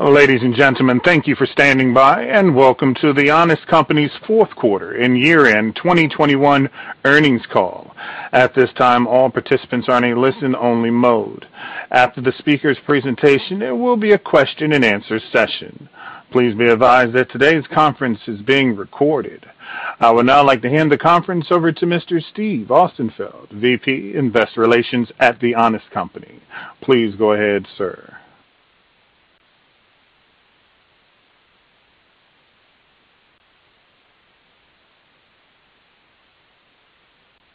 Ladies and gentlemen, thank you for standing by, and welcome to The Honest Company's fourth quarter and year-end 2021 earnings call. At this time, all participants are in a listen-only mode. After the speaker's presentation, there will be a question-and-answer session. Please be advised that today's conference is being recorded. I would now like to hand the conference over to Mr. Steve Austenfeld, VP, Investor Relations at The Honest Company. Please go ahead, sir.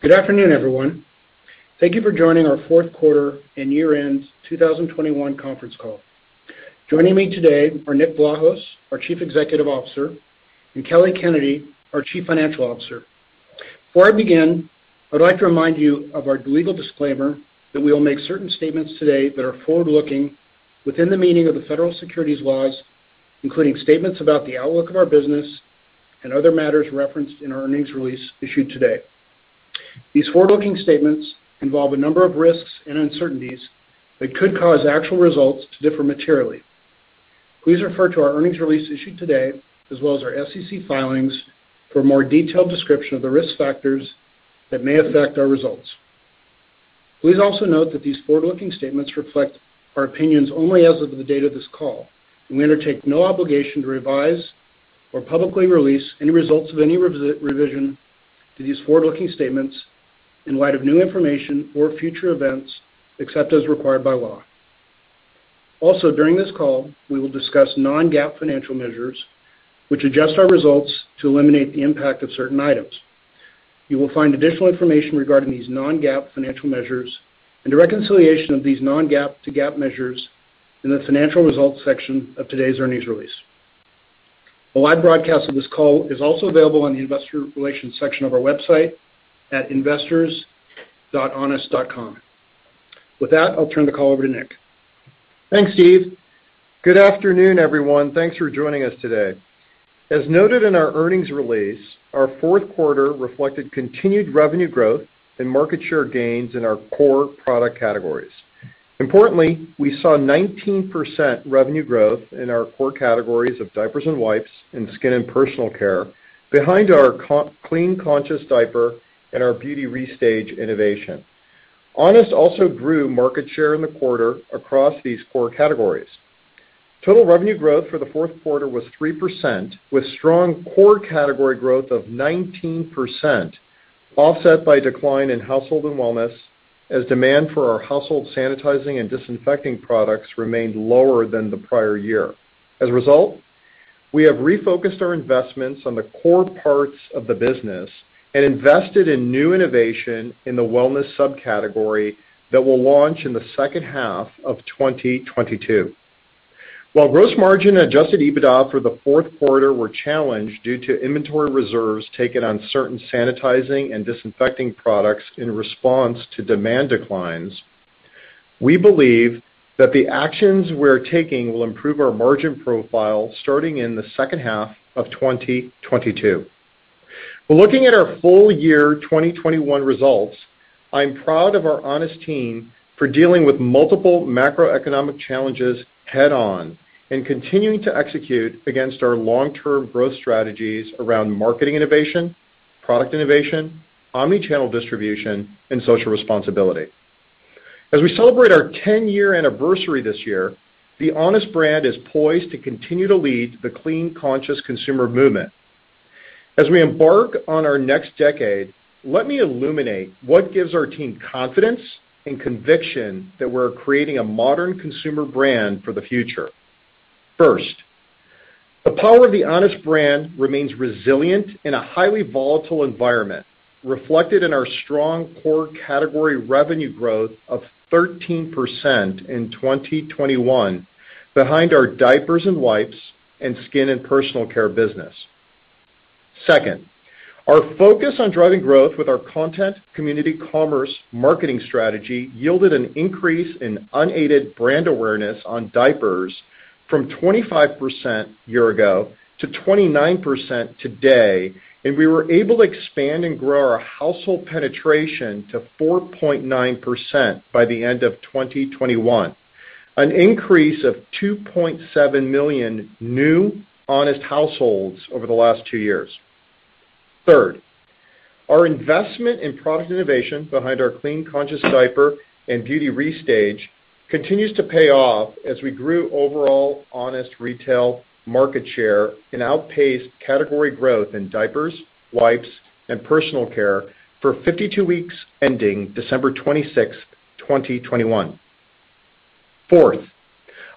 Good afternoon, everyone. Thank you for joining our fourth quarter and year-end 2021 conference call. Joining me today are Nick Vlahos, our Chief Executive Officer, and Kelly Kennedy, our Chief Financial Officer. Before I begin, I'd like to remind you of our legal disclaimer that we will make certain statements today that are forward-looking within the meaning of the federal securities laws, including statements about the outlook of our business and other matters referenced in our earnings release issued today. These forward-looking statements involve a number of risks and uncertainties that could cause actual results to differ materially. Please refer to our earnings release issued today, as well as our SEC filings for a more detailed description of the risk factors that may affect our results. Please also note that these forward-looking statements reflect our opinions only as of the date of this call, and we undertake no obligation to revise or publicly release any results of any revision to these forward-looking statements in light of new information or future events, except as required by law. Also, during this call, we will discuss non-GAAP financial measures, which adjust our results to eliminate the impact of certain items. You will find additional information regarding these non-GAAP financial measures and a reconciliation of these non-GAAP to GAAP measures in the financial results section of today's earnings release. A live broadcast of this call is also available on the investor relations section of our website at investors.honest.com. With that, I'll turn the call over to Nick. Thanks, Steve. Good afternoon, everyone. Thanks for joining us today. As noted in our earnings release, our fourth quarter reflected continued revenue growth and market share gains in our core product categories. Importantly, we saw 19% revenue growth in our core categories of diapers and wipes and skin and personal care behind our Clean Conscious Diaper and our Beauty Restage innovation. Honest also grew market share in the quarter across these core categories. Total revenue growth for the fourth quarter was 3%, with strong core category growth of 19%, offset by decline in household and wellness as demand for our household sanitizing and disinfecting products remained lower than the prior year. As a result, we have refocused our investments on the core parts of the business and invested in new innovation in the wellness subcategory that will launch in the second half of 2022. While gross margin Adjusted EBITDA for the fourth quarter were challenged due to inventory reserves taken on certain sanitizing and disinfecting products in response to demand declines, we believe that the actions we're taking will improve our margin profile starting in the second half of 2022. Looking at our full year 2021 results, I'm proud of our Honest team for dealing with multiple macroeconomic challenges head on and continuing to execute against our long-term growth strategies around marketing innovation, product innovation, omni-channel distribution, and social responsibility. As we celebrate our 10-year anniversary this year, the Honest brand is poised to continue to lead the clean, conscious consumer movement. As we embark on our next decade, let me illuminate what gives our team confidence and conviction that we're creating a modern consumer brand for the future. First, the power of the Honest brand remains resilient in a highly volatile environment, reflected in our strong core category revenue growth of 13% in 2021 behind our diapers and wipes and skin and personal care business. Second, our focus on driving growth with our content, community, commerce, marketing strategy yielded an increase in unaided brand awareness on diapers from 25% year ago to 29% today, and we were able to expand and grow our household penetration to 4.9% by the end of 2021, an increase of 2.7 million new Honest households over the last two years. Third, our investment in product innovation behind our Clean Conscious Diaper and Beauty Restage continues to pay off as we grew overall Honest retail market share and outpaced category growth in diapers, wipes, and personal care for 52 weeks ending December 26, 2021. Fourth,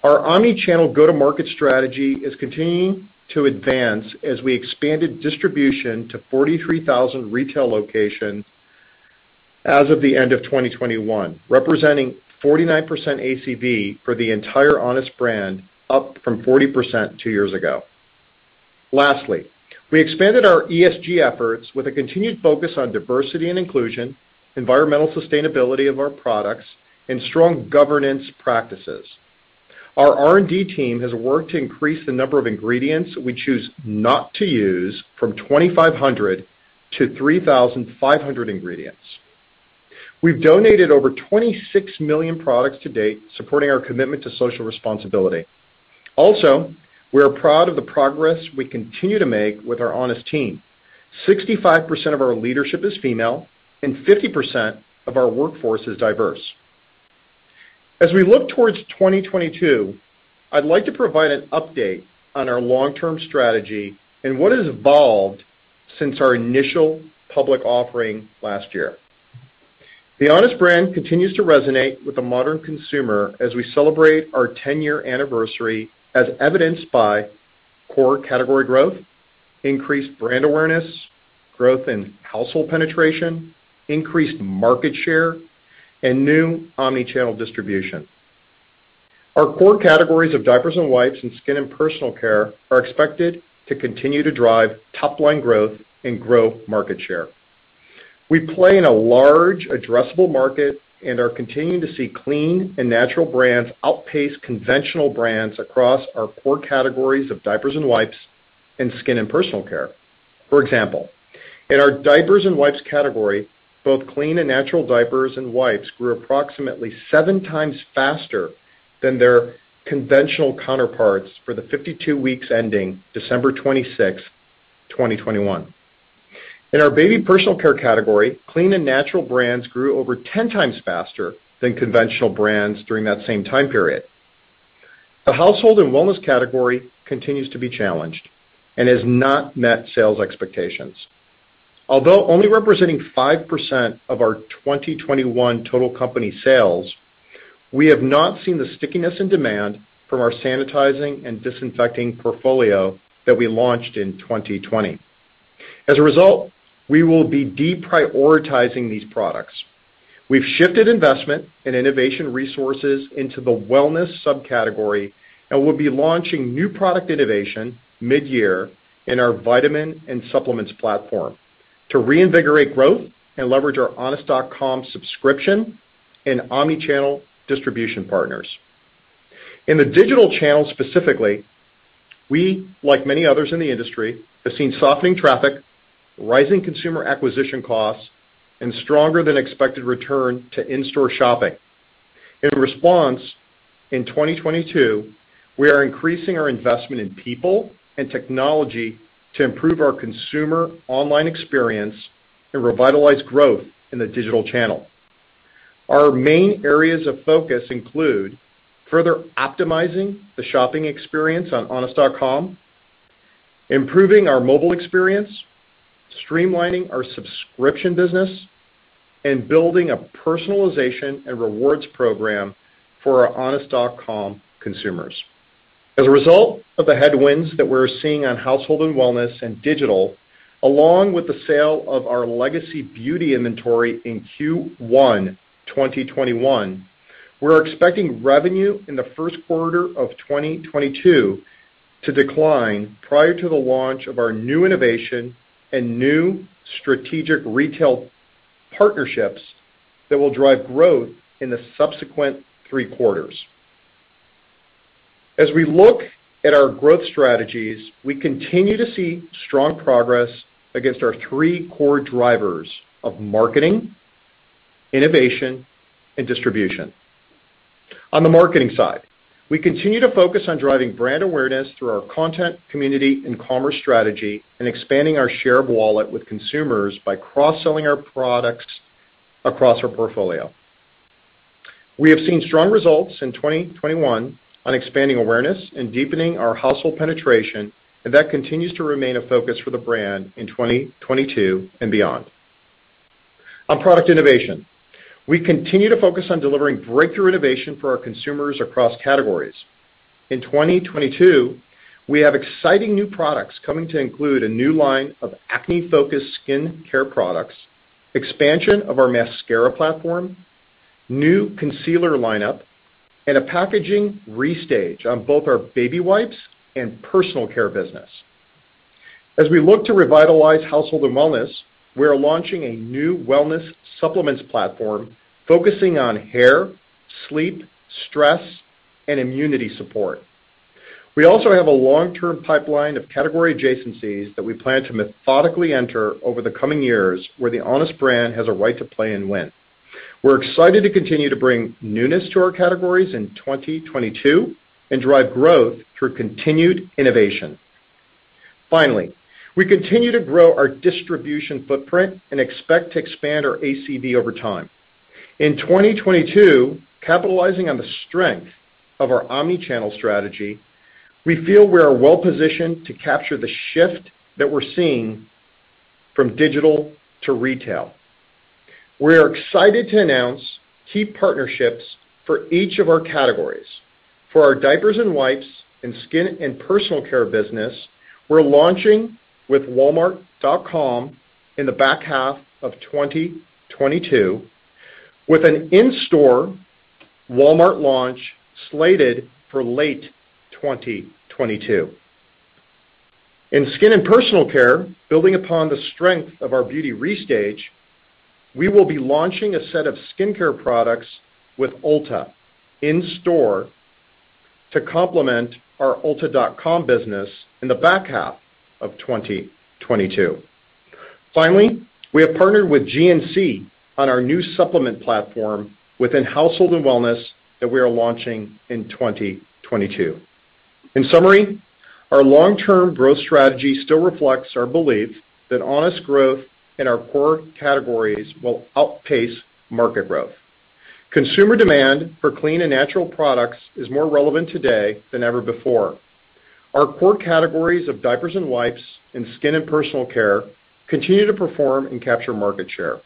our omni-channel go-to-market strategy is continuing to advance as we expanded distribution to 43,000 retail locations as of the end of 2021, representing 49% ACV for the entire Honest brand, up from 40% two years ago. Lastly, we expanded our ESG efforts with a continued focus on diversity and inclusion, environmental sustainability of our products, and strong governance practices. Our R&D team has worked to increase the number of ingredients we choose not to use from 2,500 to 3,500 ingredients. We've donated over 26 million products to date, supporting our commitment to social responsibility. Also, we are proud of the progress we continue to make with our Honest team. 65% of our leadership is female, and 50% of our workforce is diverse. As we look towards 2022, I'd like to provide an update on our long-term strategy and what has evolved since our initial public offering last year. The Honest brand continues to resonate with the modern consumer as we celebrate our 10-year anniversary as evidenced by core category growth, increased brand awareness, growth in household penetration, increased market share, and new omni-channel distribution. Our core categories of diapers and wipes and skin and personal care are expected to continue to drive top-line growth and grow market share. We play in a large addressable market and are continuing to see clean and natural brands outpace conventional brands across our core categories of diapers and wipes and skin and personal care. For example, in our diapers and wipes category, both clean and natural diapers and wipes grew approximately 7 times faster than their conventional counterparts for the 52 weeks ending December 26, 2021. In our baby personal care category, clean and natural brands grew over 10 times faster than conventional brands during that same time period. The household and wellness category continues to be challenged and has not met sales expectations. Although only representing 5% of our 2021 total company sales, we have not seen the stickiness in demand from our sanitizing and disinfecting portfolio that we launched in 2020. As a result, we will be deprioritizing these products. We've shifted investment and innovation resources into the wellness subcategory and will be launching new product innovation mid-year in our vitamin and supplements platform to reinvigorate growth and leverage our honest.com subscription and omni-channel distribution partners. In the digital channel specifically, we, like many others in the industry, have seen softening traffic, rising consumer acquisition costs, and stronger than expected return to in-store shopping. In response, in 2022, we are increasing our investment in people and technology to improve our consumer online experience and revitalize growth in the digital channel. Our main areas of focus include further optimizing the shopping experience on honest.com, improving our mobile experience, streamlining our subscription business, and building a personalization and rewards program for our honest.com consumers. As a result of the headwinds that we're seeing on household and wellness and digital, along with the sale of our Legacy Beauty inventory in Q1 2021, we're expecting revenue in the first quarter of 2022 to decline prior to the launch of our new innovation and new strategic retail partnerships that will drive growth in the subsequent three quarters. As we look at our growth strategies, we continue to see strong progress against our three core drivers of marketing, innovation, and distribution. On the marketing side, we continue to focus on driving brand awareness through our content, community, and commerce strategy and expanding our share of wallet with consumers by cross-selling our products across our portfolio. We have seen strong results in 2021 on expanding awareness and deepening our household penetration, and that continues to remain a focus for the brand in 2022 and beyond. On product innovation, we continue to focus on delivering breakthrough innovation for our consumers across categories. In 2022, we have exciting new products coming to include a new line of acne-focused skin care products, expansion of our mascara platform, new concealer lineup, and a packaging restage on both our baby wipes and personal care business. As we look to revitalize household and wellness, we are launching a new wellness supplements platform focusing on hair, sleep, stress, and immunity support. We also have a long-term pipeline of category adjacencies that we plan to methodically enter over the coming years, where the Honest brand has a right to play and win. We're excited to continue to bring newness to our categories in 2022 and drive growth through continued innovation. Finally, we continue to grow our distribution footprint and expect to expand our ACV over time. In 2022, capitalizing on the strength of our omni-channel strategy, we feel we are well-positioned to capture the shift that we're seeing from digital to retail. We are excited to announce key partnerships for each of our categories. For our diapers and wipes and skin and personal care business, we're launching with walmart.com in the back half of 2022, with an in-store Walmart launch slated for late 2022. In skin and personal care, building upon the strength of our Beauty Restage, we will be launching a set of skincare products with Ulta in-store to complement our ulta.com business in the back half of 2022. Finally, we have partnered with GNC on our new supplement platform within household and wellness that we are launching in 2022. In summary, our long-term growth strategy still reflects our belief that Honest growth in our core categories will outpace market growth. Consumer demand for clean and natural products is more relevant today than ever before. Our core categories of diapers and wipes and skin and personal care continue to perform and capture market share.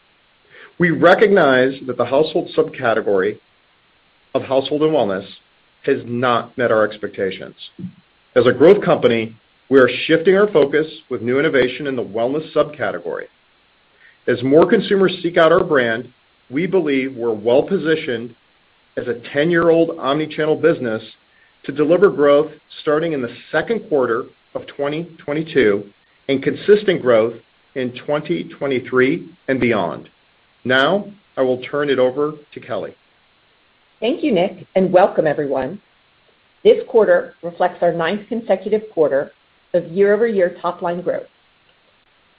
We recognize that the household subcategory of household and wellness has not met our expectations. As a growth company, we are shifting our focus with new innovation in the wellness subcategory. As more consumers seek out our brand, we believe we're well-positioned as a 10-year-old omni-channel business to deliver growth starting in the second quarter of 2022 and consistent growth in 2023 and beyond. Now I will turn it over to Kelly. Thank you, Nick, and welcome everyone. This quarter reflects our 9th consecutive quarter of year-over-year top line growth.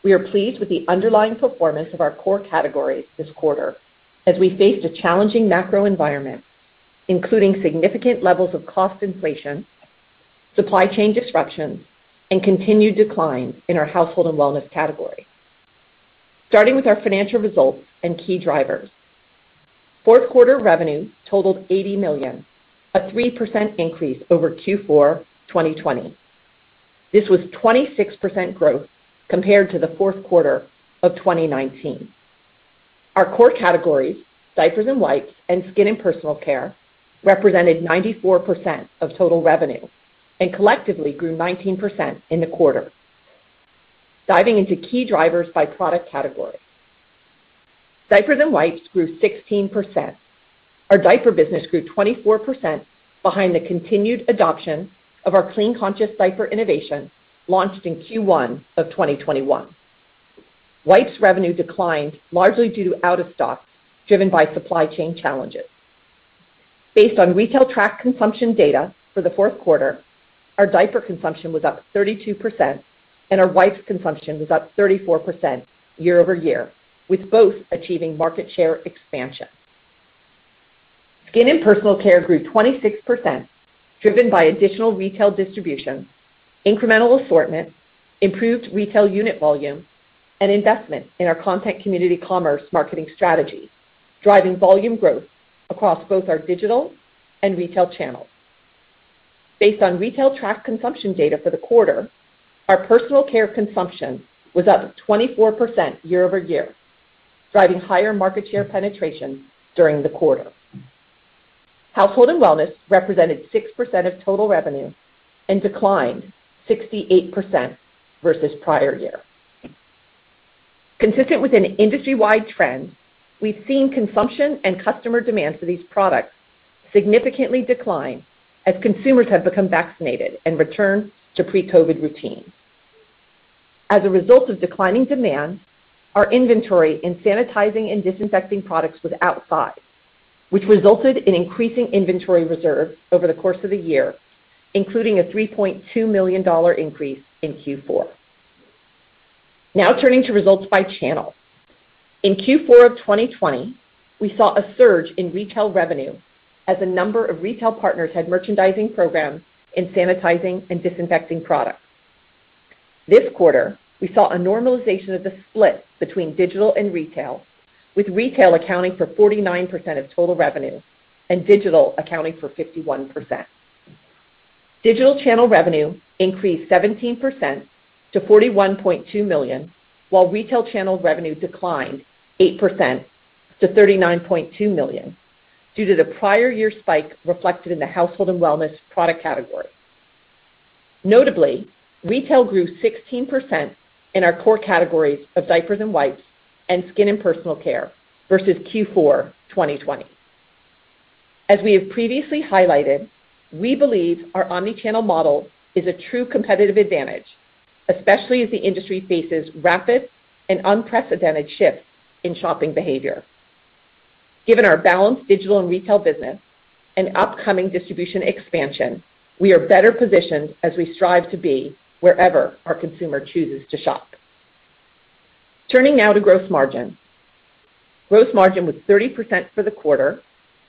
We are pleased with the underlying performance of our core categories this quarter as we faced a challenging macro environment, including significant levels of cost inflation, supply chain disruptions, and continued decline in our household and wellness category. Starting with our financial results and key drivers. Fourth quarter revenue totaled $80 million, a 3% increase over Q4 2020. This was 26% growth compared to the fourth quarter of 2019. Our core categories, diapers and wipes and skin and personal care, represented 94% of total revenue and collectively grew 19% in the quarter. Diving into key drivers by product category. Diapers and wipes grew 16%. Our diaper business grew 24% behind the continued adoption of our Clean Conscious Diapers innovation launched in Q1 of 2021. Wipes revenue declined largely due to out of stock, driven by supply chain challenges. Based on retail track consumption data for the fourth quarter, our diaper consumption was up 32% and our wipes consumption was up 34% year-over-year, with both achieving market share expansion. Skin and personal care grew 26%, driven by additional retail distribution, incremental assortment, improved retail unit volume, and investment in our content community commerce marketing strategy, driving volume growth across both our digital and retail channels. Based on retail track consumption data for the quarter, our personal care consumption was up 24% year-over-year, driving higher market share penetration during the quarter. Household and wellness represented 6% of total revenue and declined 68% versus prior year. Consistent with an industry-wide trend, we've seen consumption and customer demand for these products significantly decline as consumers have become vaccinated and returned to pre-COVID routines. As a result of declining demand, our inventory in sanitizing and disinfecting products was outsized, which resulted in increasing inventory reserves over the course of the year, including a $3.2 million increase in Q4. Now turning to results by channel. In Q4 of 2020, we saw a surge in retail revenue as a number of retail partners had merchandising programs in sanitizing and disinfecting products. This quarter, we saw a normalization of the split between digital and retail, with retail accounting for 49% of total revenue and digital accounting for 51%. Digital channel revenue increased 17% to $41.2 million, while retail channel revenue declined 8% to $39.2 million due to the prior year spike reflected in the household and wellness product category. Notably, retail grew 16% in our core categories of diapers and wipes and skin and personal care versus Q4 2020. We have previously highlighted, we believe our omni-channel model is a true competitive advantage, especially as the industry faces rapid and unprecedented shifts in shopping behavior. Given our balanced digital and retail business and upcoming distribution expansion, we are better positioned as we strive to be wherever our consumer chooses to shop. Turning now to gross margin. Gross margin was 30% for the quarter,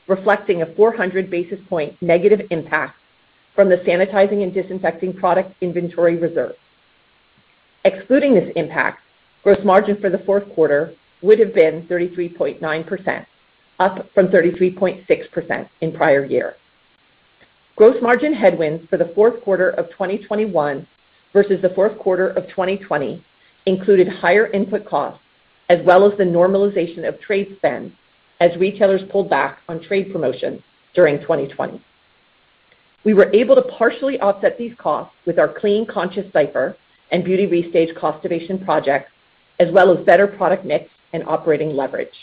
reflecting a 400 basis point negative impact from the sanitizing and disinfecting product inventory reserve. Excluding this impact, gross margin for the fourth quarter would have been 33.9%, up from 33.6% in prior year. Gross margin headwinds for the fourth quarter of 2021 versus the fourth quarter of 2020 included higher input costs as well as the normalization of trade spend as retailers pulled back on trade promotions during 2020. We were able to partially offset these costs with our Clean Conscious Diapers and Beauty Restage cost evasion projects, as well as better product mix and operating leverage.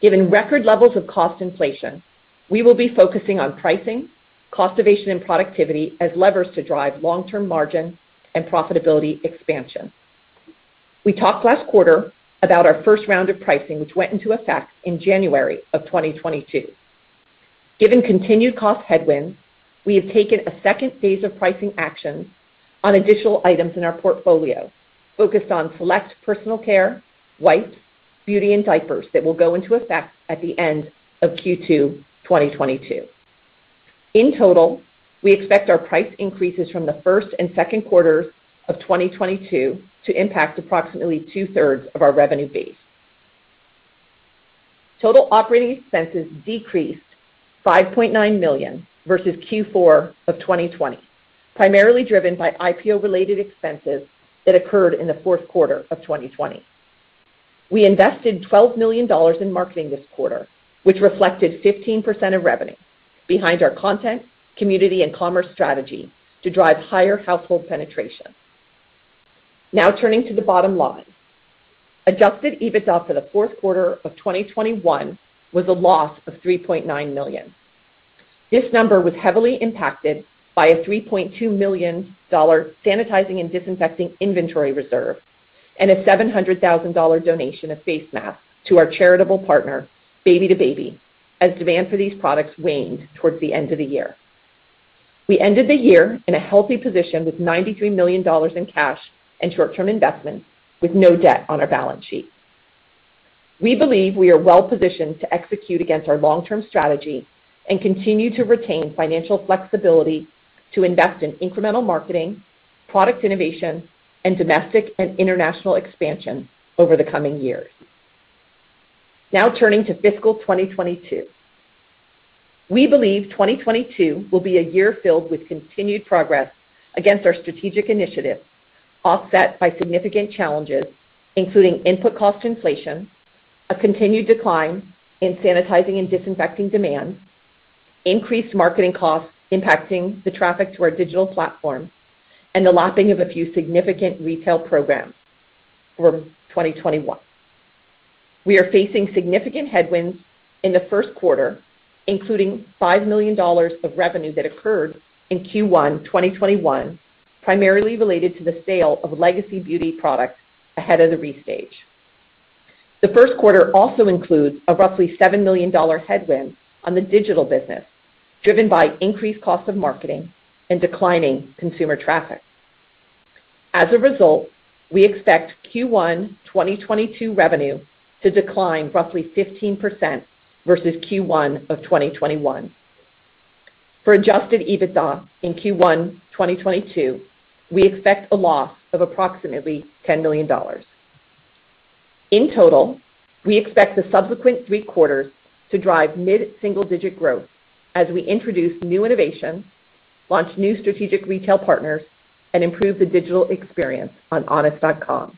Given record levels of cost inflation, we will be focusing on pricing, cost evasion, and productivity as levers to drive long-term margin and profitability expansion. We talked last quarter about our first round of pricing, which went into effect in January of 2022. Given continued cost headwinds, we have taken a second phase of pricing actions on additional items in our portfolio, focused on select personal care, wipes, beauty, and diapers that will go into effect at the end of Q2 2022. In total, we expect our price increases from the first and second quarters of 2022 to impact approximately two-thirds of our revenue base. Total operating expenses decreased $5.9 million versus Q4 of 2020, primarily driven by IPO-related expenses that occurred in the fourth quarter of 2020. We invested $12 million in marketing this quarter, which reflected 15% of revenue behind our content, community, and commerce strategy to drive higher household penetration. Now turning to the bottom line. Adjusted EBITDA for the fourth quarter of 2021 was a loss of $3.9 million. This number was heavily impacted by a $3.2 million sanitizing and disinfecting inventory reserve and a $700 thousand donation of face masks to our charitable partner, Baby2Baby, as demand for these products waned towards the end of the year. We ended the year in a healthy position with $93 million in cash and short-term investments, with no debt on our balance sheet. We believe we are well-positioned to execute against our long-term strategy and continue to retain financial flexibility to invest in incremental marketing, product innovation, and domestic and international expansion over the coming years. Now turning to fiscal 2022. We believe 2022 will be a year filled with continued progress against our strategic initiatives, offset by significant challenges, including input cost inflation, a continued decline in sanitizing and disinfecting demand, increased marketing costs impacting the traffic to our digital platform, and the lapping of a few significant retail programs from 2021. We are facing significant headwinds in the first quarter, including $5 million of revenue that occurred in Q1 2021, primarily related to the sale of Legacy Beauty products ahead of the restage. The first quarter also includes a roughly $7 million headwind on the digital business, driven by increased costs of marketing and declining consumer traffic. As a result, we expect Q1 2022 revenue to decline roughly 15% versus Q1 of 2021. For Adjusted EBITDA in Q1 2022, we expect a loss of approximately $10 million. In total, we expect the subsequent three quarters to drive mid-single-digit growth as we introduce new innovations, launch new strategic retail partners, and improve the digital experience on honest.com.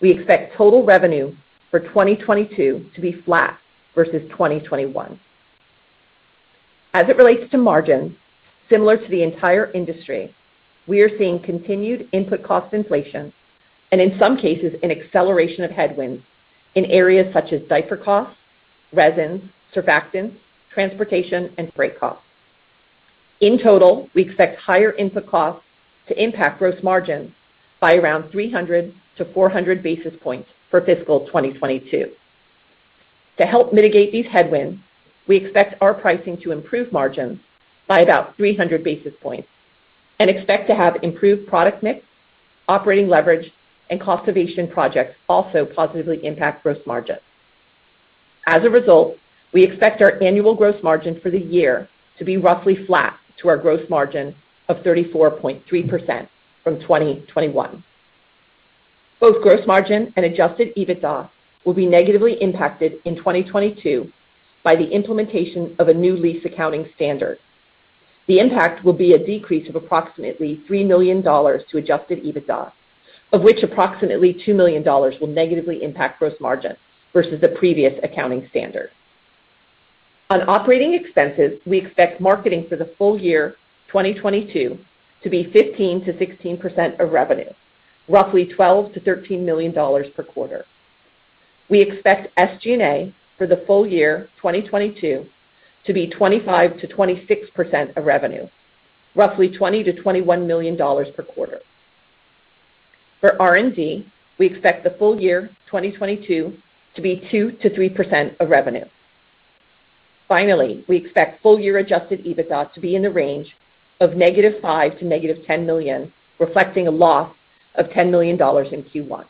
We expect total revenue for 2022 to be flat versus 2021. As it relates to margin, similar to the entire industry, we are seeing continued input cost inflation, and in some cases, an acceleration of headwinds in areas such as diaper costs, resins, surfactants, transportation, and freight costs. In total, we expect higher input costs to impact gross margins by around 300-400 basis points for fiscal 2022. To help mitigate these headwinds, we expect our pricing to improve margins by about 300 basis points and expect to have improved product mix, operating leverage, and cost evasion projects also positively impact gross margins. As a result, we expect our annual gross margin for the year to be roughly flat to our gross margin of 34.3% from 2021. Both gross margin and Adjusted EBITDA will be negatively impacted in 2022 by the implementation of a new lease accounting standard. The impact will be a decrease of approximately $3 million to Adjusted EBITDA, of which approximately $2 million will negatively impact gross margin versus the previous accounting standard. On operating expenses, we expect marketing for the full year 2022 to be 15%-16% of revenue, roughly $12 million-$13 million per quarter. We expect SG&A for the full year 2022 to be 25%-26% of revenue, roughly $20 million-$21 million per quarter. For R&D, we expect the full year 2022 to be 2%-3% of revenue. Finally, we expect full-year Adjusted EBITDA to be in the range of -$5 million-$10 million, reflecting a loss of $10 million in Q1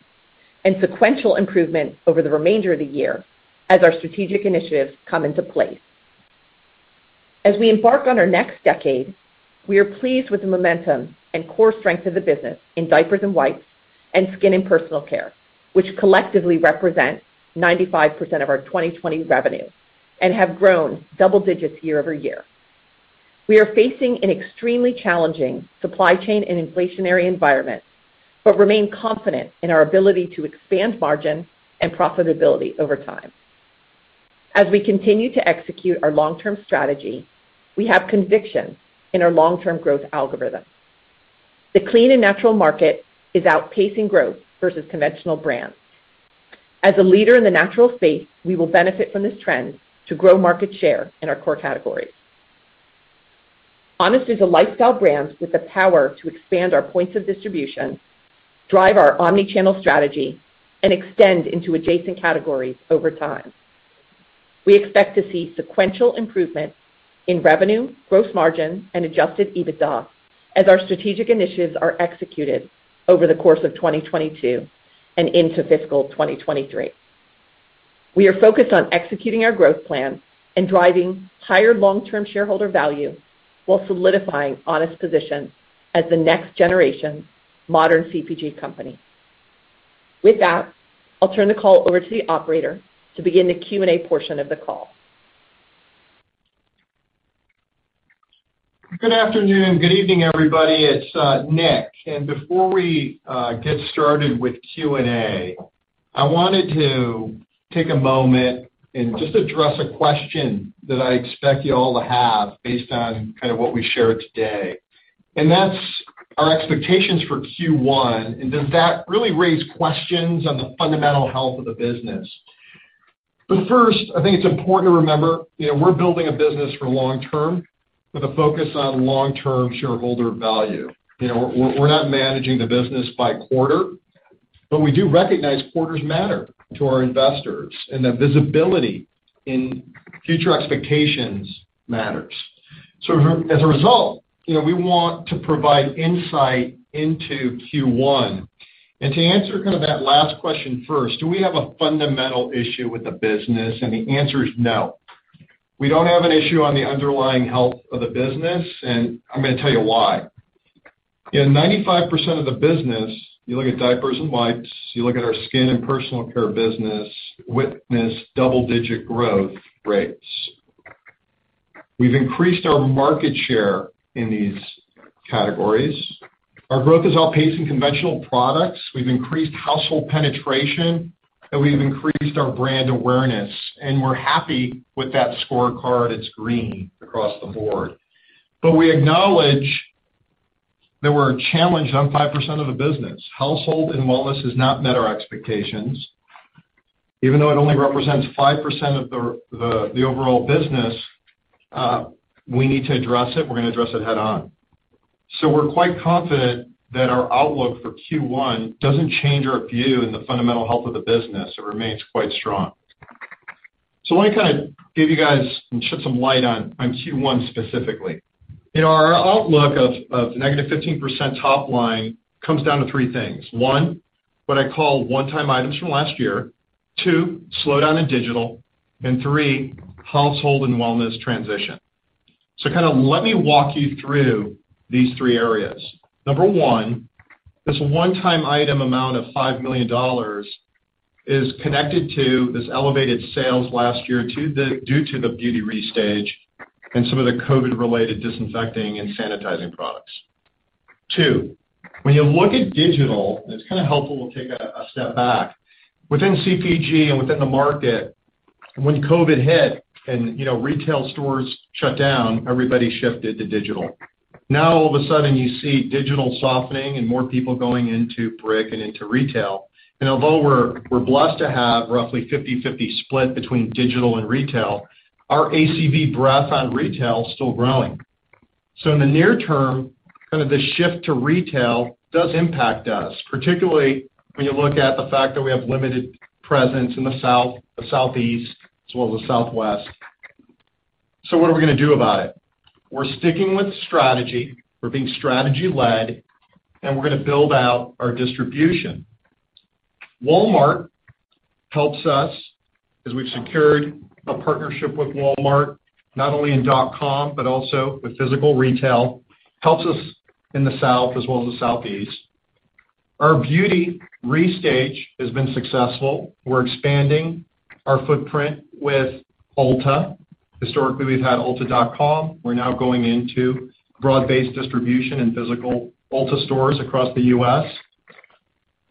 and sequential improvement over the remainder of the year as our strategic initiatives come into place. We embark on our next decade, we are pleased with the momentum and core strength of the business in diapers and wipes and skin and personal care, which collectively represent 95% of our 2020 revenue and have grown double digits year-over-year. We are facing an extremely challenging supply chain and inflationary environment, but remain confident in our ability to expand margin and profitability over time. We continue to execute our long-term strategy, we have conviction in our long-term growth algorithm. The clean and natural market is outpacing growth versus conventional brands. As a leader in the natural space, we will benefit from this trend to grow market share in our core categories. Honest is a lifestyle brand with the power to expand our points of distribution, drive our omni-channel strategy, and extend into adjacent categories over time. We expect to see sequential improvement in revenue, gross margin, and Adjusted EBITDA as our strategic initiatives are executed over the course of 2022 and into fiscal 2023. We are focused on executing our growth plan and driving higher long-term shareholder value while solidifying Honest's position as the next generation modern CPG company. With that, I'll turn the call over to the operator to begin the Q&A portion of the call. Good afternoon. Good evening, everybody. It's Nick. Before we get started with Q&A, I wanted to take a moment and just address a question that I expect you all to have based on kind of what we shared today. That's our expectations for Q1, and does that really raise questions on the fundamental health of the business? First, I think it's important to remember, you know, we're building a business for long term with a focus on long-term shareholder value. You know, we're not managing the business by quarter, but we do recognize quarters matter to our investors and that visibility in future expectations matters. As a result, you know, we want to provide insight into Q1. To answer kind of that last question first, do we have a fundamental issue with the business? The answer is no. We don't have an issue on the underlying health of the business, and I'm gonna tell you why. In 95% of the business, you look at diapers and wipes, you look at our skin and personal care business, we've witnessed double-digit growth rates. We've increased our market share in these categories. Our growth is outpacing conventional products. We've increased household penetration, and we've increased our brand awareness, and we're happy with that scorecard. It's green across the board. We acknowledge that we're challenged on 5% of the business. Household and wellness has not met our expectations. Even though it only represents 5% of the overall business, we need to address it. We're gonna address it head on. We're quite confident that our outlook for Q1 doesn't change our view of the fundamental health of the business. It remains quite strong. Let me kind of give you guys and shed some light on Q1 specifically. You know, our outlook of negative 15% top line comes down to three things. One, what I call one-time items from last year. Two, slowdown in digital. And three, household and wellness transition. Kinda let me walk you through these three areas. Number one, this one-time item amount of $5 million is connected to this elevated sales last year due to the Beauty Restage and some of the COVID-related disinfecting and sanitizing products. Two, when you look at digital, and it's kinda helpful to take a step back, within CPG and within the market, when COVID hit and, you know, retail stores shut down, everybody shifted to digital. Now, all of a sudden, you see digital softening and more people going into brick-and-mortar retail. Although we're blessed to have roughly 50/50 split between digital and retail, our ACV breadth on retail is still growing. In the near term, kind of the shift to retail does impact us, particularly when you look at the fact that we have limited presence in the South, the Southeast, as well as the Southwest. What are we gonna do about it? We're sticking with strategy, we're being strategy-led, and we're gonna build out our distribution. Walmart helps us as we've secured a partnership with Walmart, not only in dot com, but also with physical retail, helps us in the South as well as the Southeast. Our Beauty Restage has been successful. We're expanding our footprint with Ulta. Historically, we've had ulta.com. We're now going into broad-based distribution in physical Ulta stores across the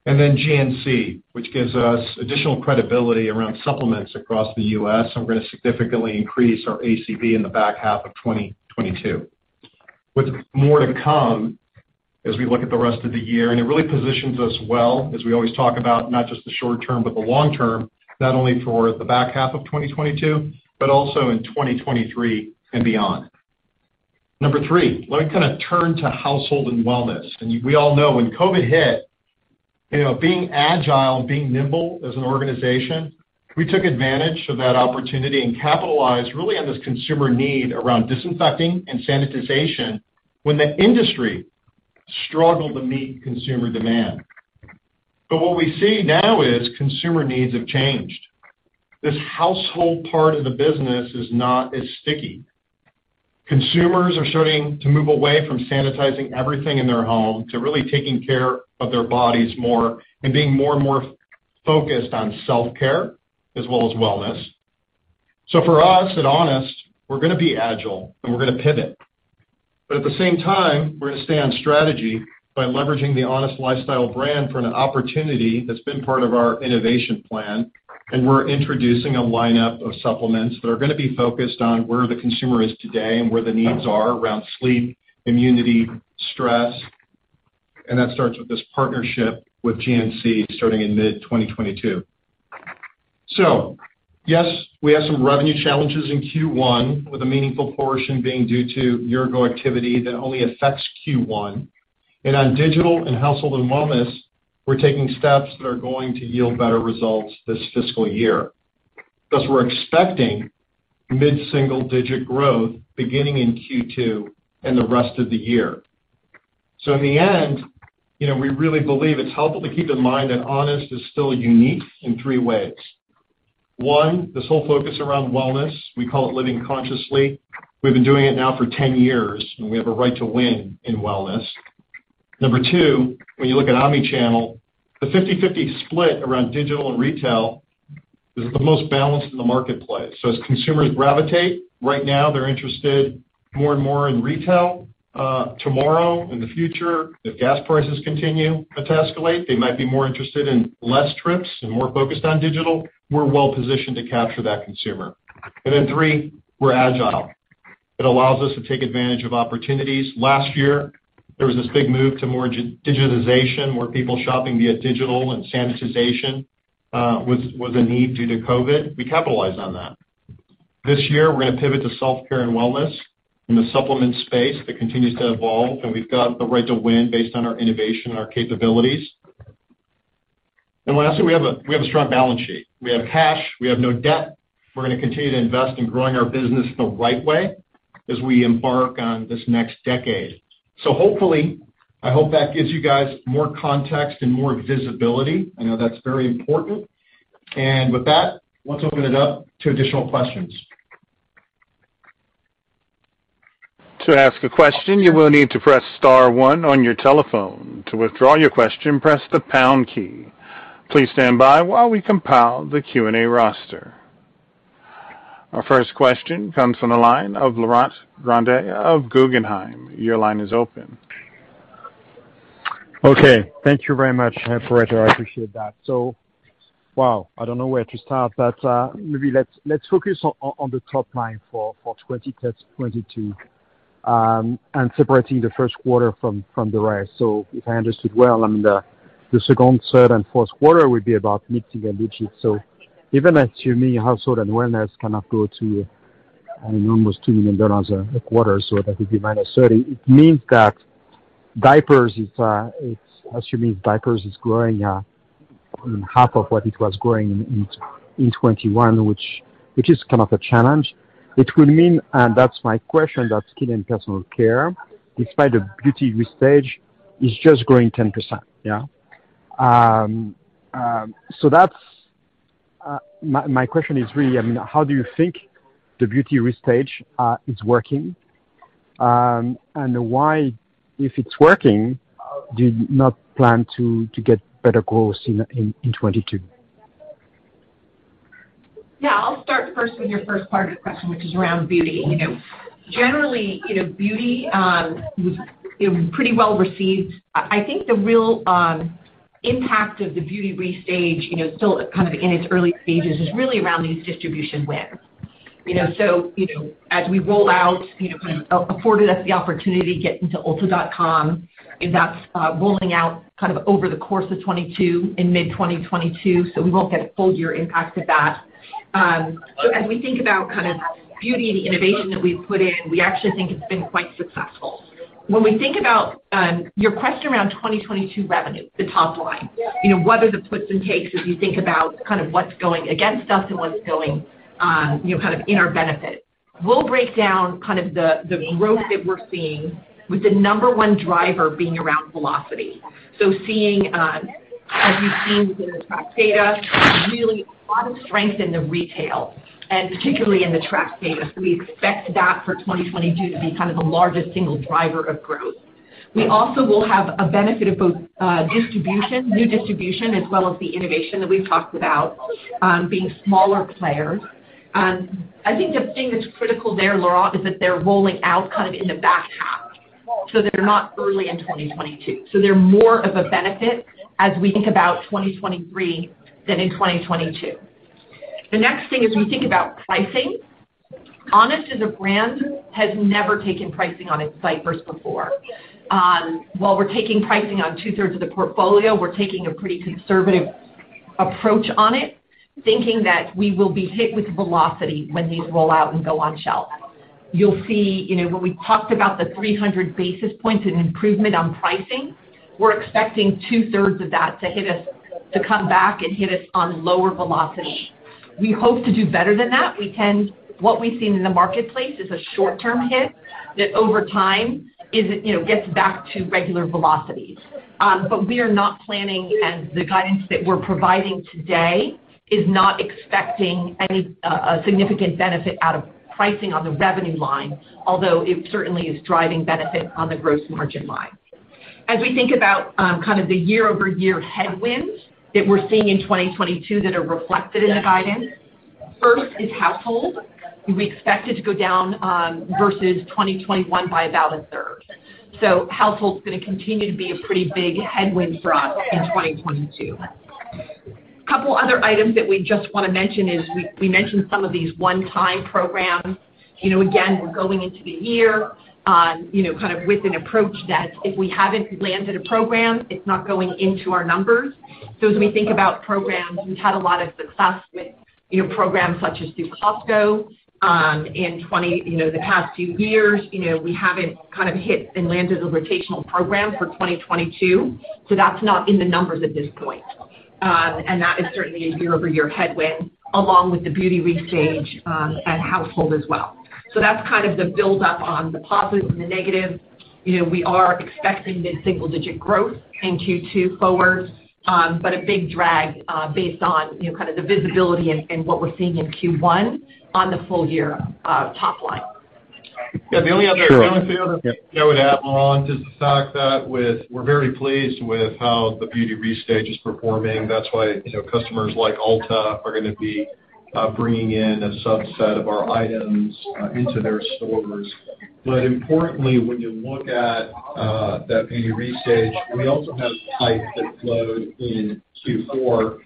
U.S. Then GNC, which gives us additional credibility around supplements across the U.S., and we're gonna significantly increase our ACV in the back half of 2022. With more to come as we look at the rest of the year, and it really positions us well as we always talk about not just the short term, but the long term, not only for the back half of 2022, but also in 2023 and beyond. Number 3, let me kinda turn to household and wellness. We all know when COVID hit, you know, being agile, being nimble as an organization, we took advantage of that opportunity and capitalized really on this consumer need around disinfecting and sanitization when the industry struggled to meet consumer demand. What we see now is consumer needs have changed. This household part of the business is not as sticky. Consumers are starting to move away from sanitizing everything in their home to really taking care of their bodies more and being more and more focused on self-care as well as wellness. For us at Honest, we're gonna be agile, and we're gonna pivot. At the same time, we're gonna stay on strategy by leveraging the Honest lifestyle brand for an opportunity that's been part of our innovation plan, and we're introducing a lineup of supplements that are gonna be focused on where the consumer is today and where the needs are around sleep, immunity, stress. That starts with this partnership with GNC starting in mid-2022. Yes, we have some revenue challenges in Q1 with a meaningful portion being due to year-ago activity that only affects Q1. On digital and household and wellness, we're taking steps that are going to yield better results this fiscal year. Thus, we're expecting mid-single-digit growth beginning in Q2 and the rest of the year. In the end, you know, we really believe it's helpful to keep in mind that Honest is still unique in three ways. One, this whole focus around wellness, we call it living consciously. We've been doing it now for 10 years, and we have a right to win in wellness. Number two, when you look at omnichannel, the 50-50 split around digital and retail is the most balanced in the marketplace. As consumers gravitate, right now, they're interested more and more in retail. Tomorrow, in the future, if gas prices continue to escalate, they might be more interested in less trips and more focused on digital. We're well-positioned to capture that consumer. Three, we're agile. It allows us to take advantage of opportunities. Last year, there was this big move to more digitization, more people shopping via digital and sanitization was a need due to COVID. We capitalized on that. This year, we're gonna pivot to self-care and wellness in the supplement space that continues to evolve, and we've got the right to win based on our innovation and our capabilities. Lastly, we have a strong balance sheet. We have cash. We have no debt. We're gonna continue to invest in growing our business the right way as we embark on this next decade. Hopefully, I hope that gives you guys more context and more visibility. I know that's very important. With that, let's open it up to additional questions. To ask a question, you will need to press star one on your telephone. To withdraw your question, press the pound key. Please stand by while we compile the Q&A roster. Our first question comes from the line of Laurent Grandet of Guggenheim. Your line is open. Okay. Thank you very much, Fred. I appreciate that. Wow, I don't know where to start, but maybe let's focus on the top line for 2022 and separating the first quarter from the rest. If I understood well, I mean the second, third, and fourth quarter will be about mid-single digits. Even assuming household and wellness cannot go to, I don't know, almost $2 million a quarter so that would be -30%, it means that diapers is growing half of what it was growing in 2021, which is kind of a challenge. It will mean, and that's my question, that skin and personal care, despite the Beauty Restage, is just growing 10%. Yeah. That's my question is really, I mean, how do you think the Beauty Restage is working? Why, if it's working, do you not plan to get better growth in 2022? Yeah. I'll start first with your first part of the question, which is around beauty. You know, generally, you know, beauty was, you know, pretty well received. I think the real impact of the Beauty Restage, you know, still kind of in its early stages, is really around these distribution wins. You know, so, you know, as we roll out, you know, kind of afforded us the opportunity to get into ulta.com, and that's rolling out kind of over the course of 2022, in mid-2022, so we won't get a full year impact of that. As we think about kind of beauty and the innovation that we've put in, we actually think it's been quite successful. When we think about your question around 2022 revenue, the top line, you know, whether the puts and takes as you think about kind of what's going against us and what's going, you know, kind of in our benefit, we'll break down kind of the growth that we're seeing with the number one driver being around velocity. Seeing, as you've seen within the track data, really a lot of strength in the retail and particularly in the track data. We expect that for 2022 to be kind of the largest single driver of growth. We also will have a benefit of both distribution, new distribution, as well as the innovation that we've talked about being smaller players. I think the thing that's critical there, Laurent, is that they're rolling out kind of in the back half. They're not early in 2022. They're more of a benefit as we think about 2023 than in 2022. The next thing is we think about pricing. Honest as a brand has never taken pricing on its diapers before. While we're taking pricing on two-thirds of the portfolio, we're taking a pretty conservative approach on it, thinking that we will be hit with velocity when these roll out and go on shelf. You'll see, you know, when we talked about the 300 basis points in improvement on pricing, we're expecting two-thirds of that to hit us to come back and hit us on lower velocity. We hope to do better than that. What we've seen in the marketplace is a short-term hit that over time is, you know, gets back to regular velocities. We are not planning, and the guidance that we're providing today is not expecting any significant benefit out of pricing on the revenue line, although it certainly is driving benefit on the gross margin line. As we think about kind of the year-over-year headwinds that we're seeing in 2022 that are reflected in the guidance, first is household. We expect it to go down versus 2021 by about a third. Household's gonna continue to be a pretty big headwind for us in 2022. Couple other items that we just wanna mention is we mentioned some of these one-time programs. You know, again, we're going into the year, you know, kind of with an approach that if we haven't landed a program, it's not going into our numbers. As we think about programs, we've had a lot of success with, you know, programs such as through Costco in the past two years. You know, we haven't kind of hit and landed a rotational program for 2022, so that's not in the numbers at this point. That is certainly a year-over-year headwind, along with the Beauty Restage and household as well. That's kind of the build up on the positive and the negative. You know, we are expecting mid-single-digit growth in Q2 forward, but a big drag based on, you know, kind of the visibility and what we're seeing in Q1 on the full year top line. Yeah. Sure. The only thing I would add, Laurent, is the fact that we're very pleased with how the Beauty Restage is performing. That's why, you know, customers like Ulta are gonna be bringing in a subset of our items into their stores. Importantly, when you look at that Beauty Restage, we also have pipe that flowed in Q4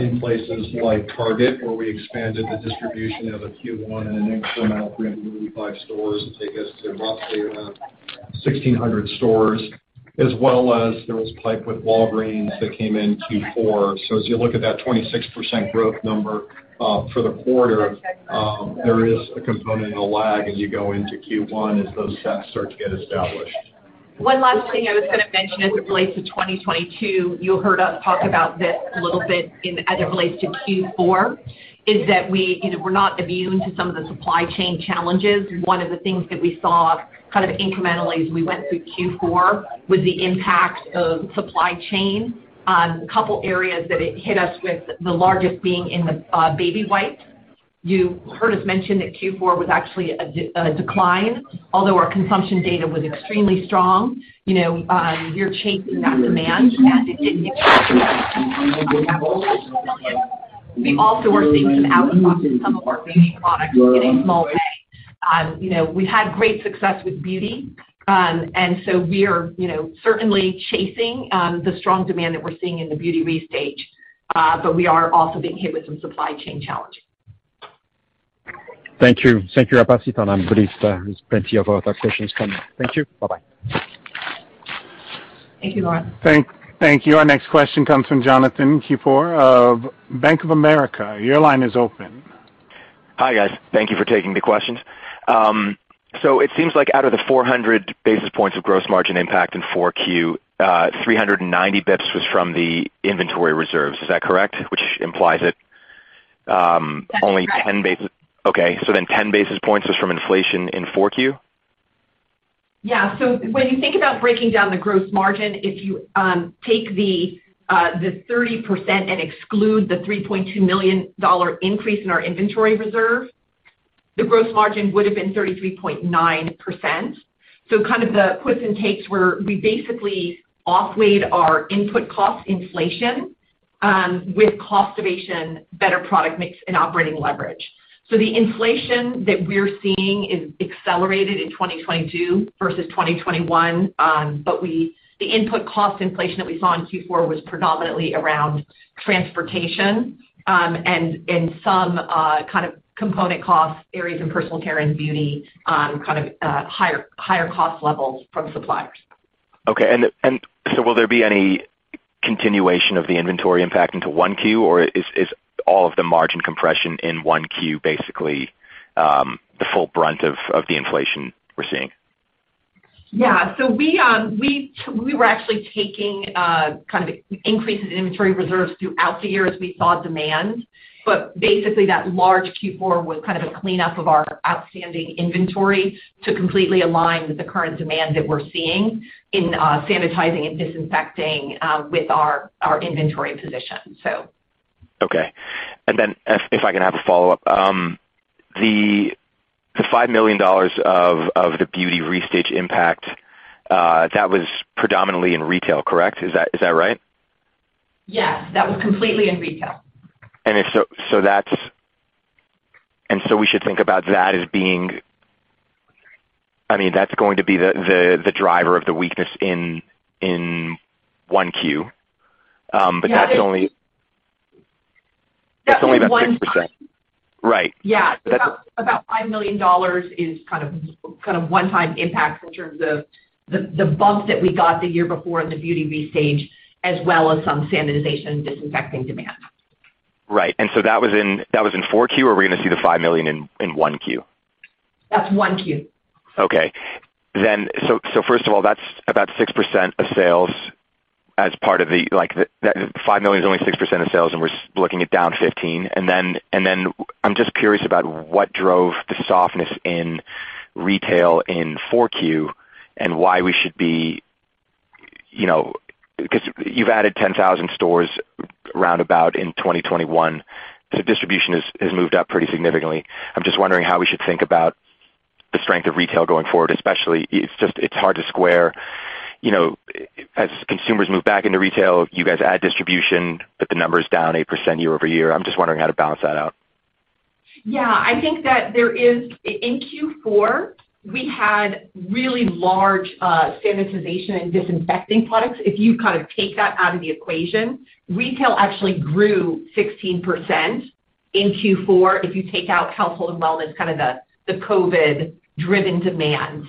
in places like Target, where we expanded the distribution in Q1 and an extra amount, 385 stores to take us to roughly 1,600 stores, as well as there was pipe with Walgreens that came in Q4. As you look at that 26% growth number for the quarter, there is a component of the lag as you go into Q1 as those sets start to get established. One last thing I was gonna mention as it relates to 2022, you heard us talk about this a little bit as it relates to Q4, is that we, you know, we're not immune to some of the supply chain challenges. One of the things that we saw kind of incrementally as we went through Q4 was the impact of supply chain. Couple areas that it hit us with, the largest being in the baby wipes. You heard us mention that Q4 was actually a decline, although our consumption data was extremely strong. You know, you're chasing that demand, and it didn't materialize. We also were seeing some out-of-stocks in some of our beauty products in a small way. You know, we had great success with beauty. We are, you know, certainly chasing the strong demand that we're seeing in the Beauty Restage. We are also being hit with some supply chain challenges. Thank you. Thank you, Abbas. I'm pleased, there's plenty of other questions coming. Thank you. Bye-bye. Thank you, Laurent. Thank you. Our next question comes from Jonathan Keypour of Bank of America. Your line is open. Hi, guys. Thank you for taking the questions. It seems like out of the 400 basis points of gross margin impact in Q4, 390 basis points was from the inventory reserves. Is that correct? Which implies that only 10 basis- That's correct. Okay. 10 basis points was from inflation in 4Q? Yeah. When you think about breaking down the gross margin, if you take the 30% and exclude the $3.2 million increase in our inventory reserve, the gross margin would have been 33.9%. Kind of the puts and takes were, we basically outweighed our input cost inflation with cost savings, better product mix and operating leverage. The inflation that we're seeing is accelerated in 2022 versus 2021. But the input cost inflation that we saw in Q4 was predominantly around transportation and some kind of component costs, areas in personal care and beauty, kind of higher cost levels from suppliers. Will there be any continuation of the inventory impact into 1Q, or is all of the margin compression in 1Q basically the full brunt of the inflation we're seeing? We were actually taking kind of increases in inventory reserves throughout the year as we saw demand. Basically that large Q4 was kind of a cleanup of our outstanding inventory to completely align with the current demand that we're seeing in sanitizing and disinfecting with our inventory position. Okay. If I can have a follow-up. The $5 million of the Beauty Restage impact that was predominantly in retail, correct? Is that right? Yes. That was completely in retail. We should think about that as being, I mean, that's going to be the driver of the weakness in 1Q. That's only- Yeah. That's only about 6%. That's in 1 Q. Right. Yeah. About $5 million is kind of one-time impact in terms of the bump that we got the year before in the Beauty Restage, as well as some sanitization and disinfecting demand. Right. That was in 4Q, or are we gonna see the $5 million in 1Q? That's one Q. Okay. So first of all, that's about 6% of sales, that $5 million is only 6% of sales, and we're looking at down 15%. I'm just curious about what drove the softness in retail in Q4 and why we should be. You know, because you've added 10,000 stores roundabout in 2021. The distribution has moved up pretty significantly. I'm just wondering how we should think about the strength of retail going forward, especially, it's just it's hard to square. You know, as consumers move back into retail, you guys add distribution, but the number is down 8% year-over-year. I'm just wondering how to balance that out. Yeah, I think that In Q4, we had really large sanitization and disinfecting products. If you kind of take that out of the equation, retail actually grew 16% in Q4 if you take out household and wellness, kind of the COVID-driven demand.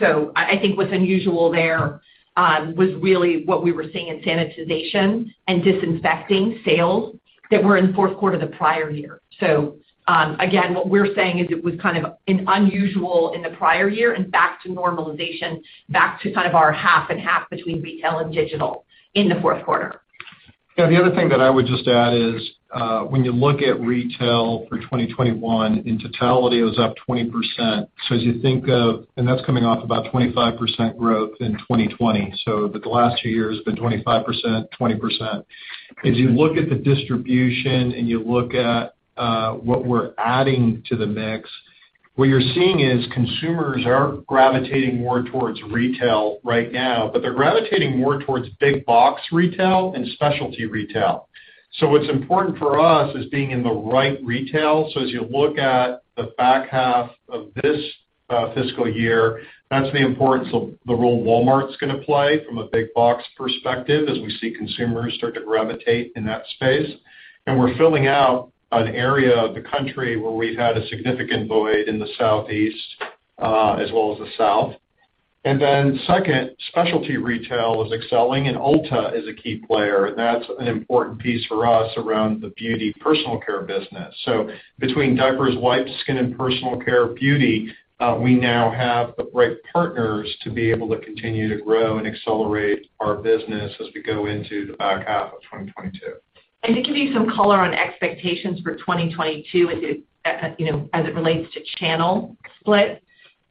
So, I think what's unusual there was really what we were seeing in sanitization and disinfecting sales that were in fourth quarter the prior year. So, again, what we're saying is it was kind of an unusual in the prior year and back to normalization, back to kind of our half and half between retail and digital in the fourth quarter. Yeah. The other thing that I would just add is, when you look at retail for 2021, in totality, it was up 20%. That's coming off about 25% growth in 2020. The last two years have been 25%, 20%. As you look at the distribution and you look at what we're adding to the mix, what you're seeing is consumers are gravitating more towards retail right now, but they're gravitating more towards big box retail and specialty retail. What's important for us is being in the right retail. As you look at the back half of this fiscal year, that's the importance of the role Walmart's gonna play from a big box perspective as we see consumers start to gravitate in that space. We're filling out an area of the country where we've had a significant void in the Southeast, as well as the South. Second, specialty retail is excelling, and Ulta is a key player. That's an important piece for us around the beauty personal care business. Between diapers, wipes, skin and personal care, beauty, we now have the right partners to be able to continue to grow and accelerate our business as we go into the back half of 2022. To give you some color on expectations for 2022 as it relates to channel split,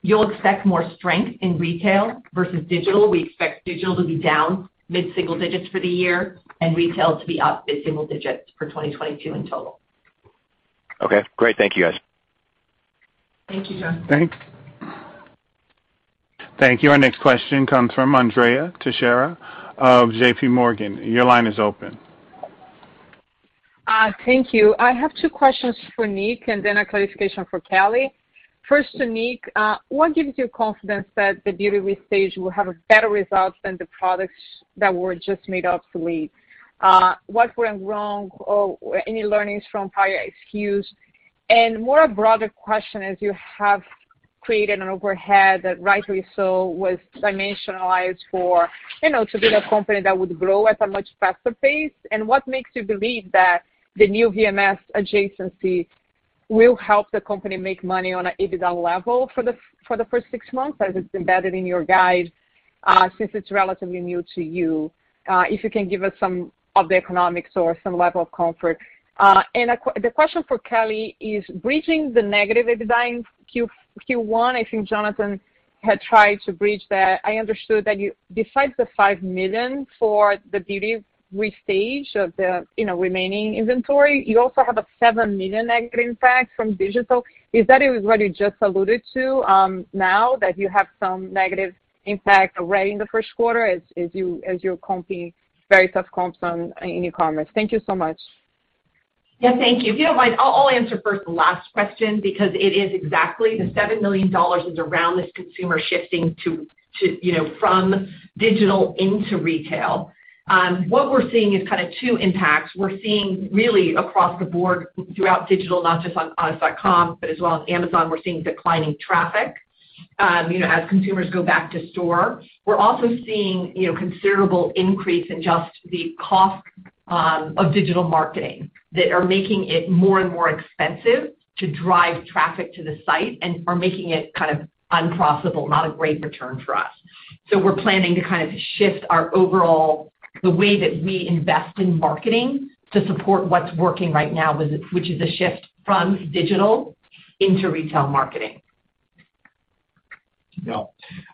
you'll expect more strength in retail versus digital. We expect digital to be down mid-single digits% for the year and retail to be up mid-single digits% for 2022 in total. Okay. Great. Thank you, guys. Thank you, Jonathan. Thanks. Thank you. Our next question comes from Andrea Teixeira of JPMorgan. Your line is open. Thank you. I have two questions for Nick and then a clarification for Kelly. First to Nick, what gives you confidence that the Beauty Restage will have a better result than the products that were just made obsolete? What went wrong or any learnings from prior SKUs? More a broader question, as you have created an overhead that rightly so was dimensionalized for, you know, to be the company that would grow at a much faster pace, and what makes you believe that the new VMS adjacency will help the company make money on a EBITDA level for the first six months as it's embedded in your guide, since it's relatively new to you? If you can give us some of the economics or some level of comfort. The question for Kelly is bridging the negative EBITDA in Q1. I think Jonathan had tried to bridge that. I understood that you besides the $5 million for the Beauty Restage of the, you know, remaining inventory, you also have a $7 million negative impact from digital. Is that what you just alluded to, now that you have some negative impact already in the first quarter as you're comping very tough comps on in e-commerce? Thank you so much. Yeah. Thank you. If you don't mind, I'll answer first the last question because it is exactly the $7 million is around this consumer shifting to, you know, from digital into retail. What we're seeing is kind of two impacts. We're seeing really across the board throughout digital, not just on honest.com, but as well as Amazon, we're seeing declining traffic, you know, as consumers go back to store. We're also seeing, you know, considerable increase in just the cost of digital marketing that are making it more and more expensive to drive traffic to the site and are making it kind of unprofitable, not a great return for us. We're planning to kind of shift our overall, the way that we invest in marketing to support what's working right now, which is a shift from digital into retail marketing. Yeah.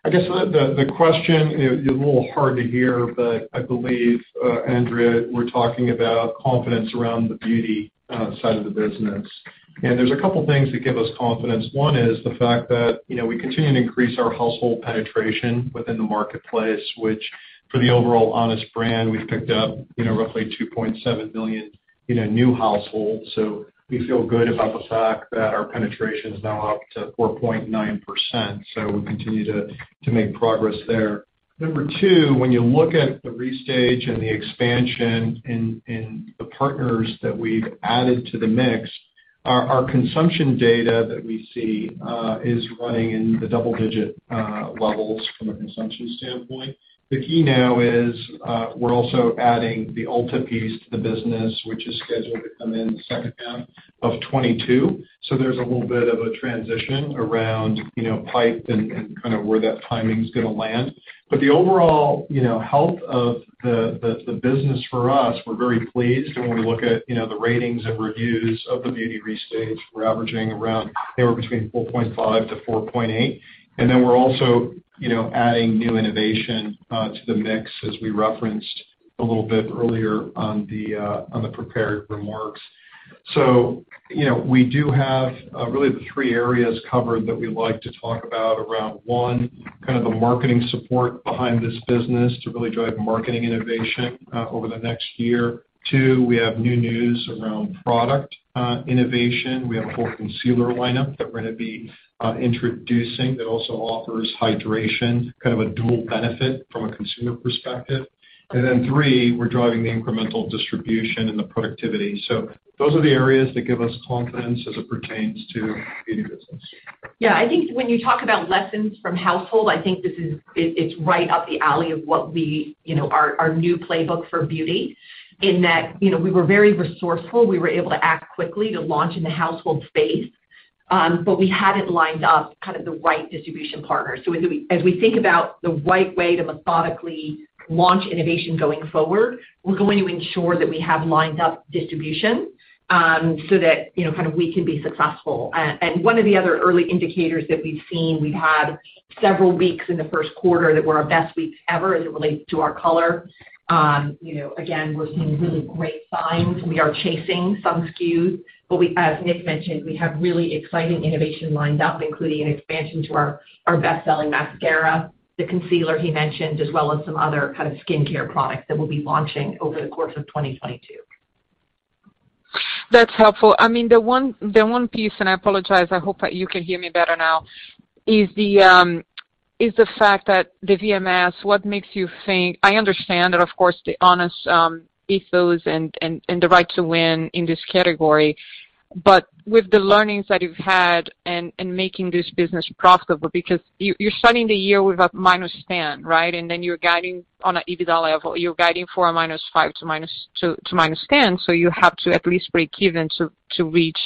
I guess the question, it was a little hard to hear, but I believe Andrea were talking about confidence around the beauty side of the business. There's a couple things that give us confidence. One is the fact that, you know, we continue to increase our household penetration within the marketplace, which for the overall Honest brand, we've picked up, you know, roughly 2.7 million new households. We feel good about the fact that our penetration is now up to 4.9%, so we continue to make progress there. Number two, when you look at the restage and the expansion and the partners that we've added to the mix, our consumption data that we see is running in the double-digit levels from a consumption standpoint. The key now is, we're also adding the Ulta piece to the business, which is scheduled to come in the second half of 2022. There's a little bit of a transition around, you know, pipeline and kind of where that timing's gonna land. The overall, you know, health of the business for us, we're very pleased when we look at, you know, the ratings and reviews of the Beauty Restage. We're averaging around, they were between 4.5-4.8. We're also, you know, adding new innovation to the mix as we referenced a little bit earlier on the prepared remarks. You know, we do have really the three areas covered that we like to talk about around one, kind of the marketing support behind this business to really drive marketing innovation over the next year. Two, we have new news around product innovation. We have a full concealer lineup that we're gonna be introducing that also offers hydration, kind of a dual benefit from a consumer perspective. Three, we're driving the incremental distribution and the productivity. Those are the areas that give us confidence as it pertains to beauty business. Yeah, I think when you talk about lessons from household, I think this is right up the alley of what we, you know, our new playbook for beauty in that, you know, we were very resourceful, we were able to act quickly to launch in the household space, but we hadn't lined up kind of the right distribution partner. As we think about the right way to methodically launch innovation going forward, we're going to ensure that we have lined up distribution, so that, you know, kind of we can be successful. One of the other early indicators that we've seen, we've had several weeks in the first quarter that were our best weeks ever as it relates to our color. You know, again, we're seeing really great signs. We are chasing some SKUs, but we, as Nick mentioned, we have really exciting innovation lined up, including an expansion to our best-selling mascara, the concealer he mentioned, as well as some other kind of skincare products that we'll be launching over the course of 2022. That's helpful. I mean, the one piece, and I apologize, I hope that you can hear me better now, is the fact that the VMS, what makes you think? I understand that, of course, the Honest ethos and the right to win in this category. With the learnings that you've had and making this business profitable, because you're starting the year with a -10, right? You're guiding on an EBITDA level. You're guiding for a -5 to -10. You have to at least break even to reach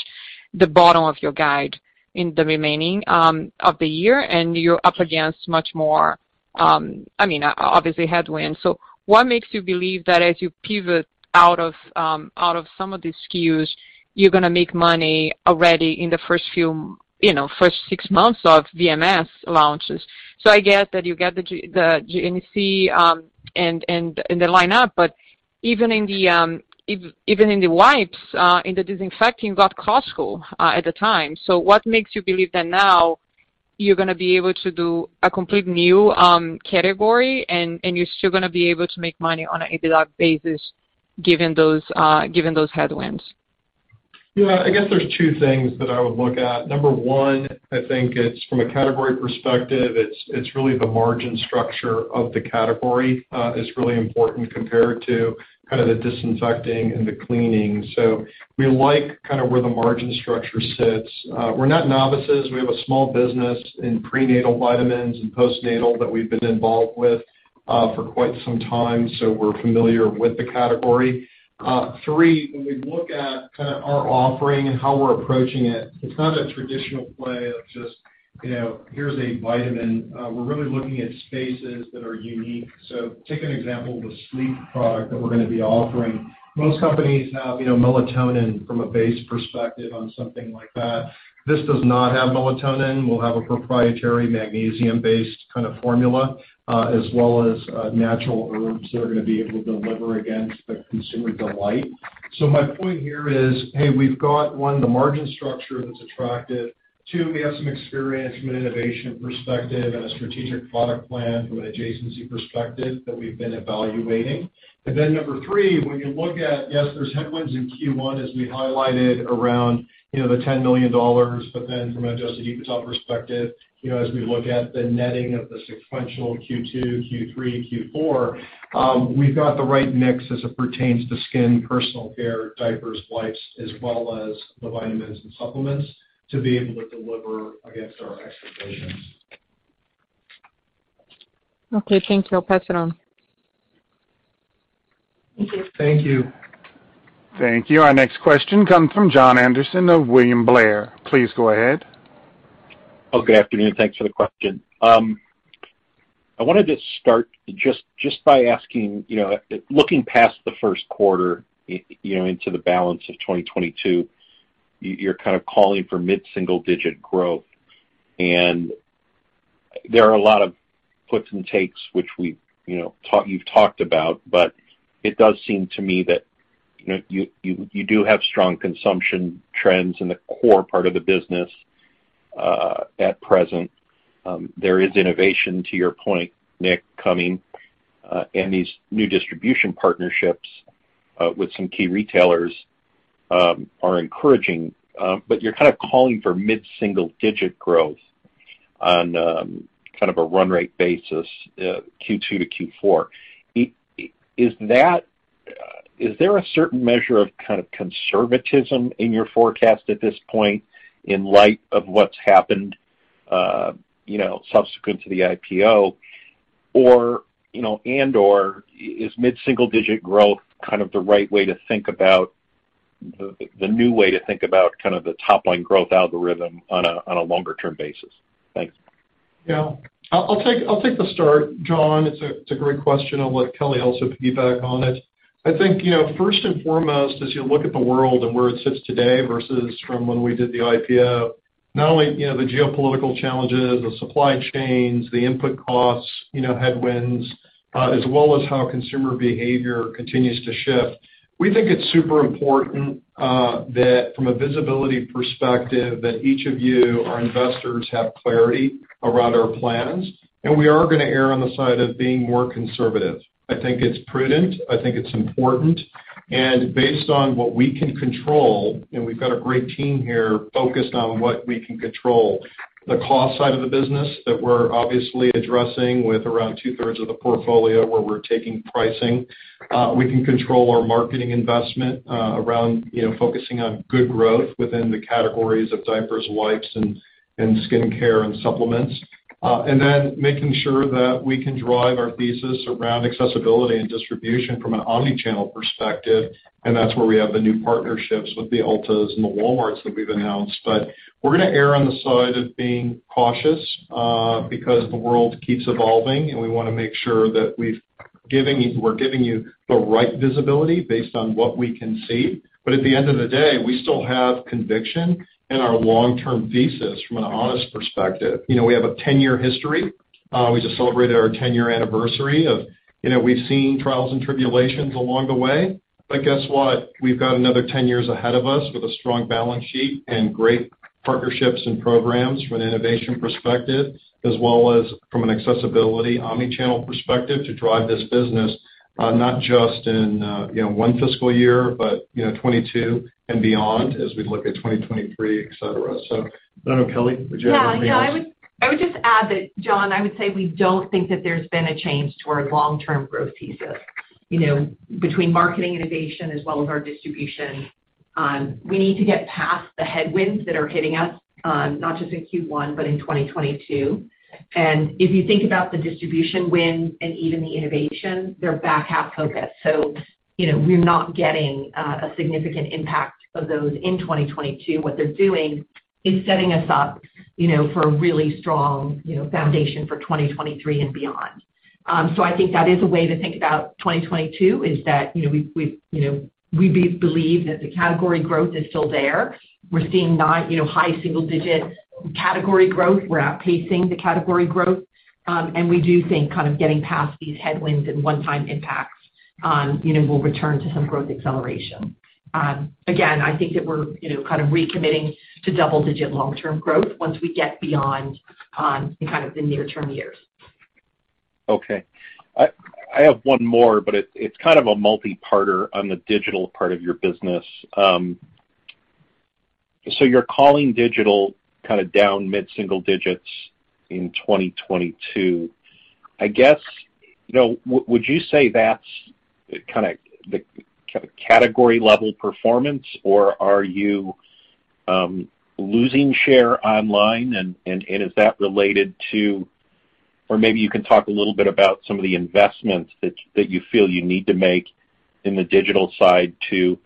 the bottom of your guide in the remaining of the year, and you're up against much more, I mean, obviously headwinds. What makes you believe that as you pivot out of some of these SKUs, you're gonna make money already in the first few, you know, first six months of VMS launches? I get that you get the GNC and the lineup, but even in the wipes in the disinfecting, you got Costco at the time. What makes you believe that now you're gonna be able to do a completely new category and you're still gonna be able to make money on an EBITDA basis given those headwinds? Yeah. I guess there's two things that I would look at. Number one, I think it's from a category perspective, it's really the margin structure of the category is really important compared to kind of the disinfecting and the cleaning. We like kind of where the margin structure sits. We're not novices. We have a small business in prenatal vitamins and postnatal that we've been involved with for quite some time, so we're familiar with the category. Three, when we look at kind of our offering and how we're approaching it's not a traditional play of just here's a vitamin. We're really looking at spaces that are unique. Take an example, the sleep product that we're gonna be offering. Most companies have melatonin from a base perspective on something like that. This does not have melatonin. We'll have a proprietary magnesium-based kind of formula, as well as natural herbs that are gonna be able to deliver against the consumer delight. My point here is, hey, we've got one, the margin structure that's attractive. Two, we have some experience from an innovation perspective and a strategic product plan from an adjacency perspective that we've been evaluating. Number three, when you look at, yes, there's headwinds in Q1 as we highlighted around, you know, the $10 million, but then from an Adjusted EBITDA perspective, you know, as we look at the netting of the sequential Q2, Q3, Q4, we've got the right mix as it pertains to skin, personal care, diapers, wipes, as well as the vitamins and supplements to be able to deliver against our expectations. Okay, thank you. I'll pass it on. Thank you. Thank you. Thank you. Our next question comes from Jon Andersen of William Blair. Please go ahead. Okay. Good afternoon. Thanks for the question. I wanted to start just by asking, you know, looking past the first quarter, you know, into the balance of 2022, you're kind of calling for mid-single-digit growth. There are a lot of puts and takes, which you've talked about, but it does seem to me that, you know, you do have strong consumption trends in the core part of the business at present. There is innovation, to your point, Nick, coming and these new distribution partnerships with some key retailers are encouraging. But you're kind of calling for mid-single-digit growth on kind of a run rate basis, Q2 to Q4. Is there a certain measure of kind of conservatism in your forecast at this point in light of what's happened, you know, subsequent to the IPO? Or, you know, and/or is mid-single digit growth kind of the right way to think about the new way to think about kind of the top line growth algorithm on a longer term basis? Thanks. Yeah. I'll take the start, Jon. It's a great question. I'll let Kelly also piggyback on it. I think, you know, first and foremost, as you look at the world and where it sits today versus from when we did the IPO. Not only, you know, the geopolitical challenges, the supply chains, the input costs, you know, headwinds, as well as how consumer behavior continues to shift. We think it's super important, that from a visibility perspective that each of you, our investors, have clarity around our plans, and we are gonna err on the side of being more conservative. I think it's prudent. I think it's important. Based on what we can control, and we've got a great team here focused on what we can control, the cost side of the business that we're obviously addressing with around two-thirds of the portfolio where we're taking pricing. We can control our marketing investment, around, you know, focusing on good growth within the categories of diapers, wipes, and skincare and supplements. Then making sure that we can drive our thesis around accessibility and distribution from an omni-channel perspective, and that's where we have the new partnerships with the Ulta and the Walmart that we've announced. We're gonna err on the side of being cautious, because the world keeps evolving, and we wanna make sure that we're giving you the right visibility based on what we can see. At the end of the day, we still have conviction in our long-term thesis from an Honest perspective. You know, we have a 10-year history. We just celebrated our 10-year anniversary. You know, we've seen trials and tribulations along the way, but guess what? We've got another 10 years ahead of us with a strong balance sheet and great partnerships and programs from an innovation perspective, as well as from an accessibility, omni-channel perspective to drive this business, not just in, you know, one fiscal year, but, you know, 2022 and beyond as we look at 2023, et cetera. I don't know, Kelly, would you add anything else? Yeah. I would just add that, Jon, I would say we don't think that there's been a change to our long-term growth thesis. You know, between marketing innovation as well as our distribution, we need to get past the headwinds that are hitting us, not just in Q1, but in 2022. If you think about the distribution wins and even the innovation, they're back half focused. You know, we're not getting a significant impact of those in 2022. What they're doing is setting us up, you know, for a really strong foundation for 2023 and beyond. I think that is a way to think about 2022, that we believe that the category growth is still there. We're seeing 9%-high single-digit category growth. We're outpacing the category growth. We do think kind of getting past these headwinds and one-time impacts, you know, will return to some growth acceleration. Again, I think that we're, you know, kind of recommitting to double-digit long-term growth once we get beyond, kind of the near-term years. Okay. I have one more, but it's kind of a multi-parter on the digital part of your business. You're calling digital kinda down mid-single digits in 2022. I guess, you know, would you say that's kinda the category level performance, or are you losing share online? Is that related to, or maybe you can talk a little bit about some of the investments that you feel you need to make in the digital side to,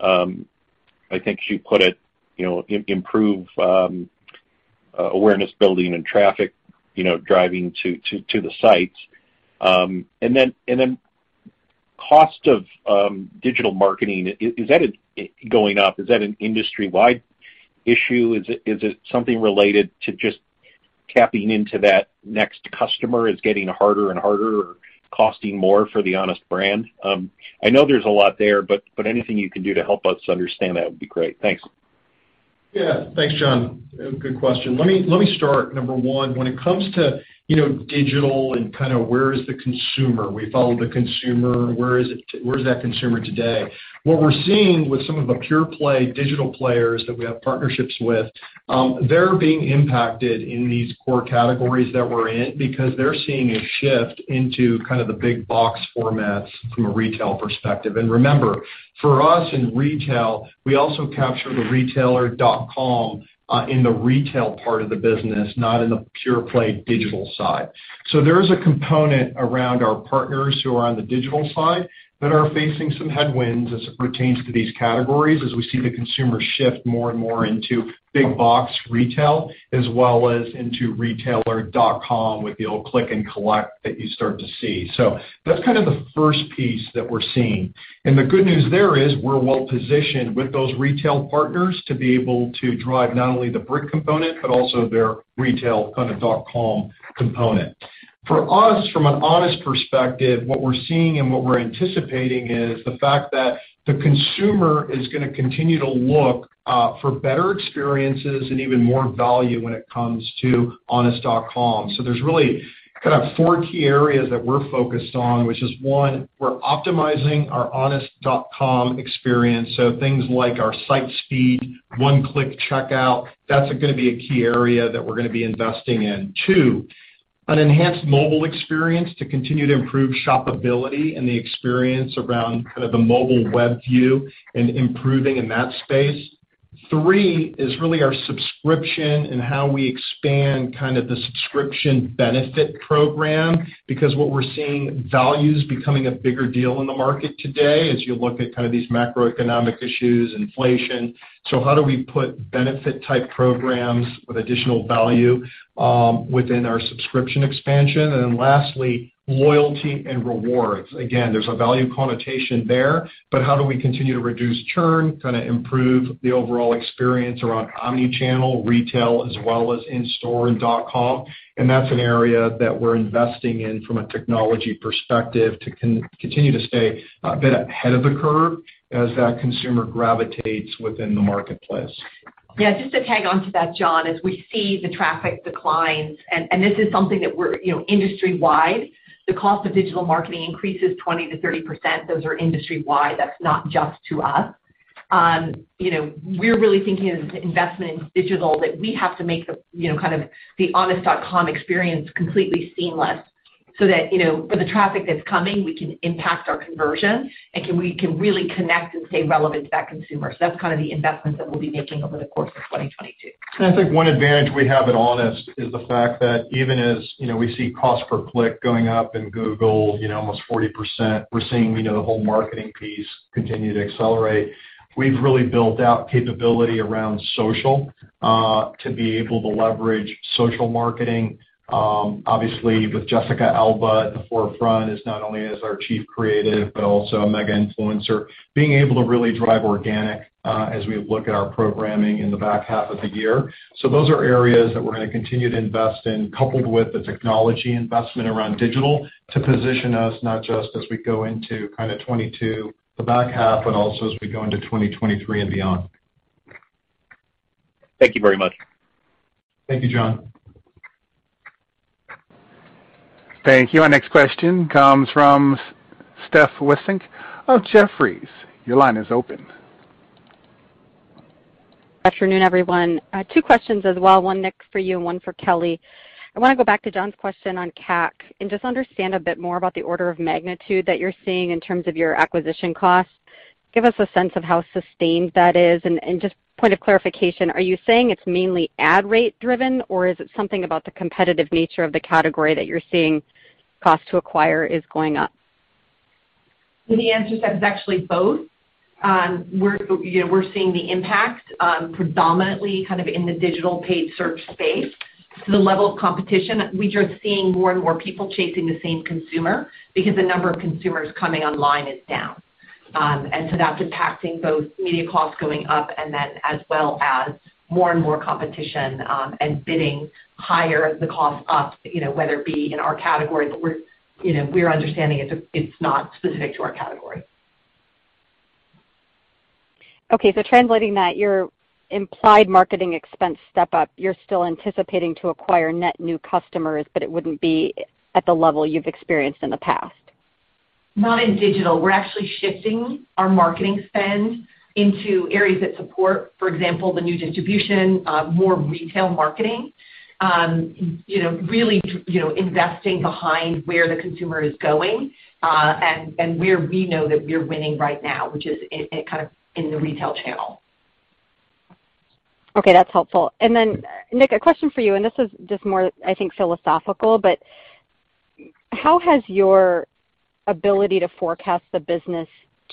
I think you put it, you know, improve awareness building and traffic, you know, driving to the sites. Cost of digital marketing, is that going up? Is that an industry-wide issue? Is it something related to just tapping into that next customer is getting harder and harder or costing more for the Honest brand? I know there's a lot there, but anything you can do to help us understand that would be great. Thanks. Yeah. Thanks, Jon. Good question. Let me start. Number one, when it comes to, you know, digital and kinda where is the consumer, we follow the consumer. Where is that consumer today? What we're seeing with some of the pure play digital players that we have partnerships with, they're being impacted in these core categories that we're in because they're seeing a shift into kind of the big box formats from a retail perspective. Remember, for us in retail, we also capture the retailer.com in the retail part of the business, not in the pure play digital side. There is a component around our partners who are on the digital side that are facing some headwinds as it pertains to these categories, as we see the consumer shift more and more into big box retail, as well as into retailer.com with the old click and collect that you start to see. That's kind of the first piece that we're seeing. The good news there is we're well-positioned with those retail partners to be able to drive not only the brick component, but also their retail kind of dot com component. For us, from an Honest perspective, what we're seeing and what we're anticipating is the fact that the consumer is gonna continue to look for better experiences and even more value when it comes to honest.com. There's really kind of four key areas that we're focused on, which is, one, we're optimizing our honest.com experience, so things like our site speed, one-click checkout. That's gonna be a key area that we're gonna be investing in. Two, an enhanced mobile experience to continue to improve shoppability and the experience around kind of the mobile web view and improving in that space. Three is really our subscription and how we expand kind of the subscription benefit program because what we're seeing, value's becoming a bigger deal in the market today as you look at kind of these macroeconomic issues, inflation. How do we put benefit type programs with additional value, within our subscription expansion? And then lastly, loyalty and rewards. Again, there's a value connotation there, but how do we continue to reduce churn, kinda improve the overall experience around omni-channel, retail, as well as in-store and dot com? That's an area that we're investing in from a technology perspective to continue to stay a bit ahead of the curve as that consumer gravitates within the marketplace. Yeah, just to tag on to that, Jon, as we see the traffic declines, and this is something that we're, you know, industry-wide, the cost of digital marketing increases 20%-30%. Those are industry-wide. That's not just to us. You know, we're really thinking as an investment in digital that we have to make the, you know, kind of the honest.com experience completely seamless so that, you know, for the traffic that's coming, we can impact our conversion and we can really connect and stay relevant to that consumer. So that's kind of the investments that we'll be making over the course of 2022. I think one advantage we have at Honest is the fact that even as, you know, we see cost per click going up in Google, you know, almost 40%, we're seeing, you know, the whole marketing piece continue to accelerate. We've really built out capability around social to be able to leverage social marketing. Obviously, with Jessica Alba at the forefront as not only as our chief creative, but also a mega influencer, being able to really drive organic, as we look at our programming in the back half of the year. Those are areas that we're gonna continue to invest in, coupled with the technology investment around digital to position us not just as we go into kinda 2022, the back half, but also as we go into 2023 and beyond. Thank you very much. Thank you, Jon. Thank you. Our next question comes from Steph Wissink of Jefferies. Your line is open. Afternoon, everyone. I have two questions as well, one, Nick, for you and one for Kelly. I wanna go back to Jon's question on CAC and just understand a bit more about the order of magnitude that you're seeing in terms of your acquisition costs. Give us a sense of how sustained that is, and just point of clarification, are you saying it's mainly ad rate driven, or is it something about the competitive nature of the category that you're seeing cost to acquire is going up? The answer to that is actually both. We're seeing the impact predominantly kind of in the digital paid search space. The level of competition, we are seeing more and more people chasing the same consumer because the number of consumers coming online is down. That's impacting both media costs going up and then as well as more and more competition, and bidding higher the cost up, you know, whether it be in our category but we're understanding it's not specific to our category. Okay. Translating that, your implied marketing expense step up, you're still anticipating to acquire net new customers, but it wouldn't be at the level you've experienced in the past. Not in digital. We're actually shifting our marketing spend into areas that support, for example, the new distribution, more retail marketing. You know, really, you know, investing behind where the consumer is going, and where we know that we're winning right now, which is kind of in the retail channel. Okay, that's helpful. Nick, a question for you, and this is just more, I think, philosophical, but how has your ability to forecast the business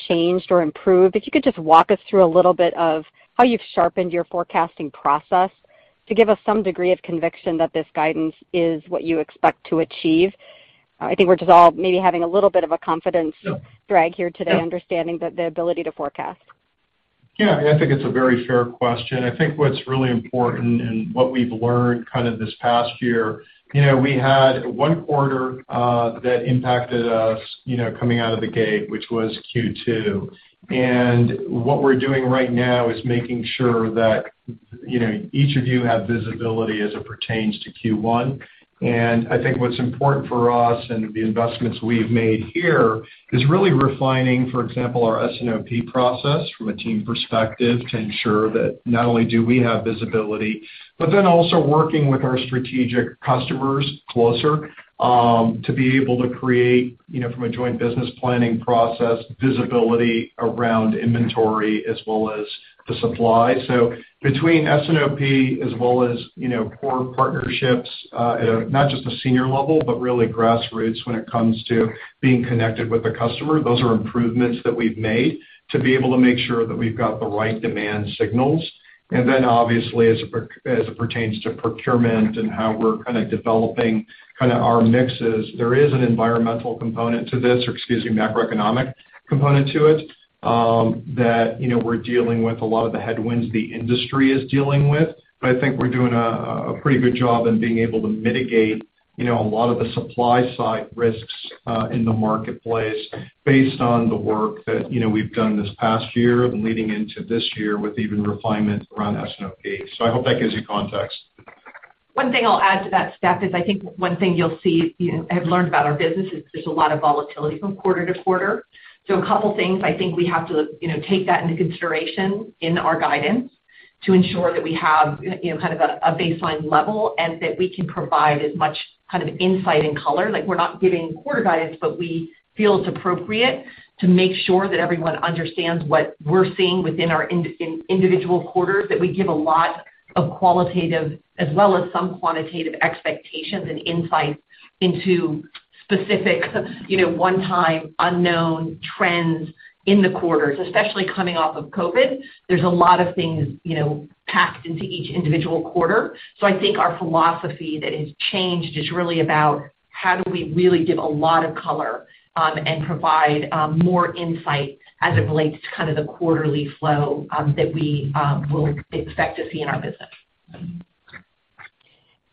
changed or improved? If you could just walk us through a little bit of how you've sharpened your forecasting process to give us some degree of conviction that this guidance is what you expect to achieve. I think we're just all maybe having a little bit of a confidence drag here today understanding the ability to forecast. Yeah. I think it's a very fair question. I think what's really important and what we've learned kind of this past year, you know, we had one quarter that impacted us, you know, coming out of the gate, which was Q2. What we're doing right now is making sure that, you know, each of you have visibility as it pertains to Q1. I think what's important for us and the investments we've made here is really refining, for example, our S&OP process from a team perspective to ensure that not only do we have visibility, but then also working with our strategic customers closer, to be able to create, you know, from a joint business planning process, visibility around inventory as well as the supply. Between S&OP as well as, you know, core partnerships, at a not just a senior level, but really grassroots when it comes to being connected with the customer, those are improvements that we've made to be able to make sure that we've got the right demand signals. Then obviously, as it pertains to procurement and how we're kinda developing our mixes, there is an environmental component to this or, excuse me, macroeconomic component to it, that, you know, we're dealing with a lot of the headwinds the industry is dealing with. I think we're doing a pretty good job in being able to mitigate, you know, a lot of the supply side risks, in the marketplace based on the work that, you know, we've done this past year and leading into this year with even refinement around S&OP. I hope that gives you context. One thing I'll add to that, Steph, is I think one thing you'll see, you know, have learned about our business is there's a lot of volatility from quarter to quarter. So a couple things. I think we have to, you know, take that into consideration in our guidance to ensure that we have, you know, kind of a baseline level and that we can provide as much kind of insight and color. Like, we're not giving quarter guidance, but we feel it's appropriate to make sure that everyone understands what we're seeing within our individual quarters, that we give a lot of qualitative as well as some quantitative expectations and insights into specific, you know, one-time unknown trends in the quarters, especially coming off of COVID. There's a lot of things, you know, packed into each individual quarter. I think our philosophy that has changed is really about how do we really give a lot of color and provide more insight as it relates to kind of the quarterly flow that we will expect to see in our business.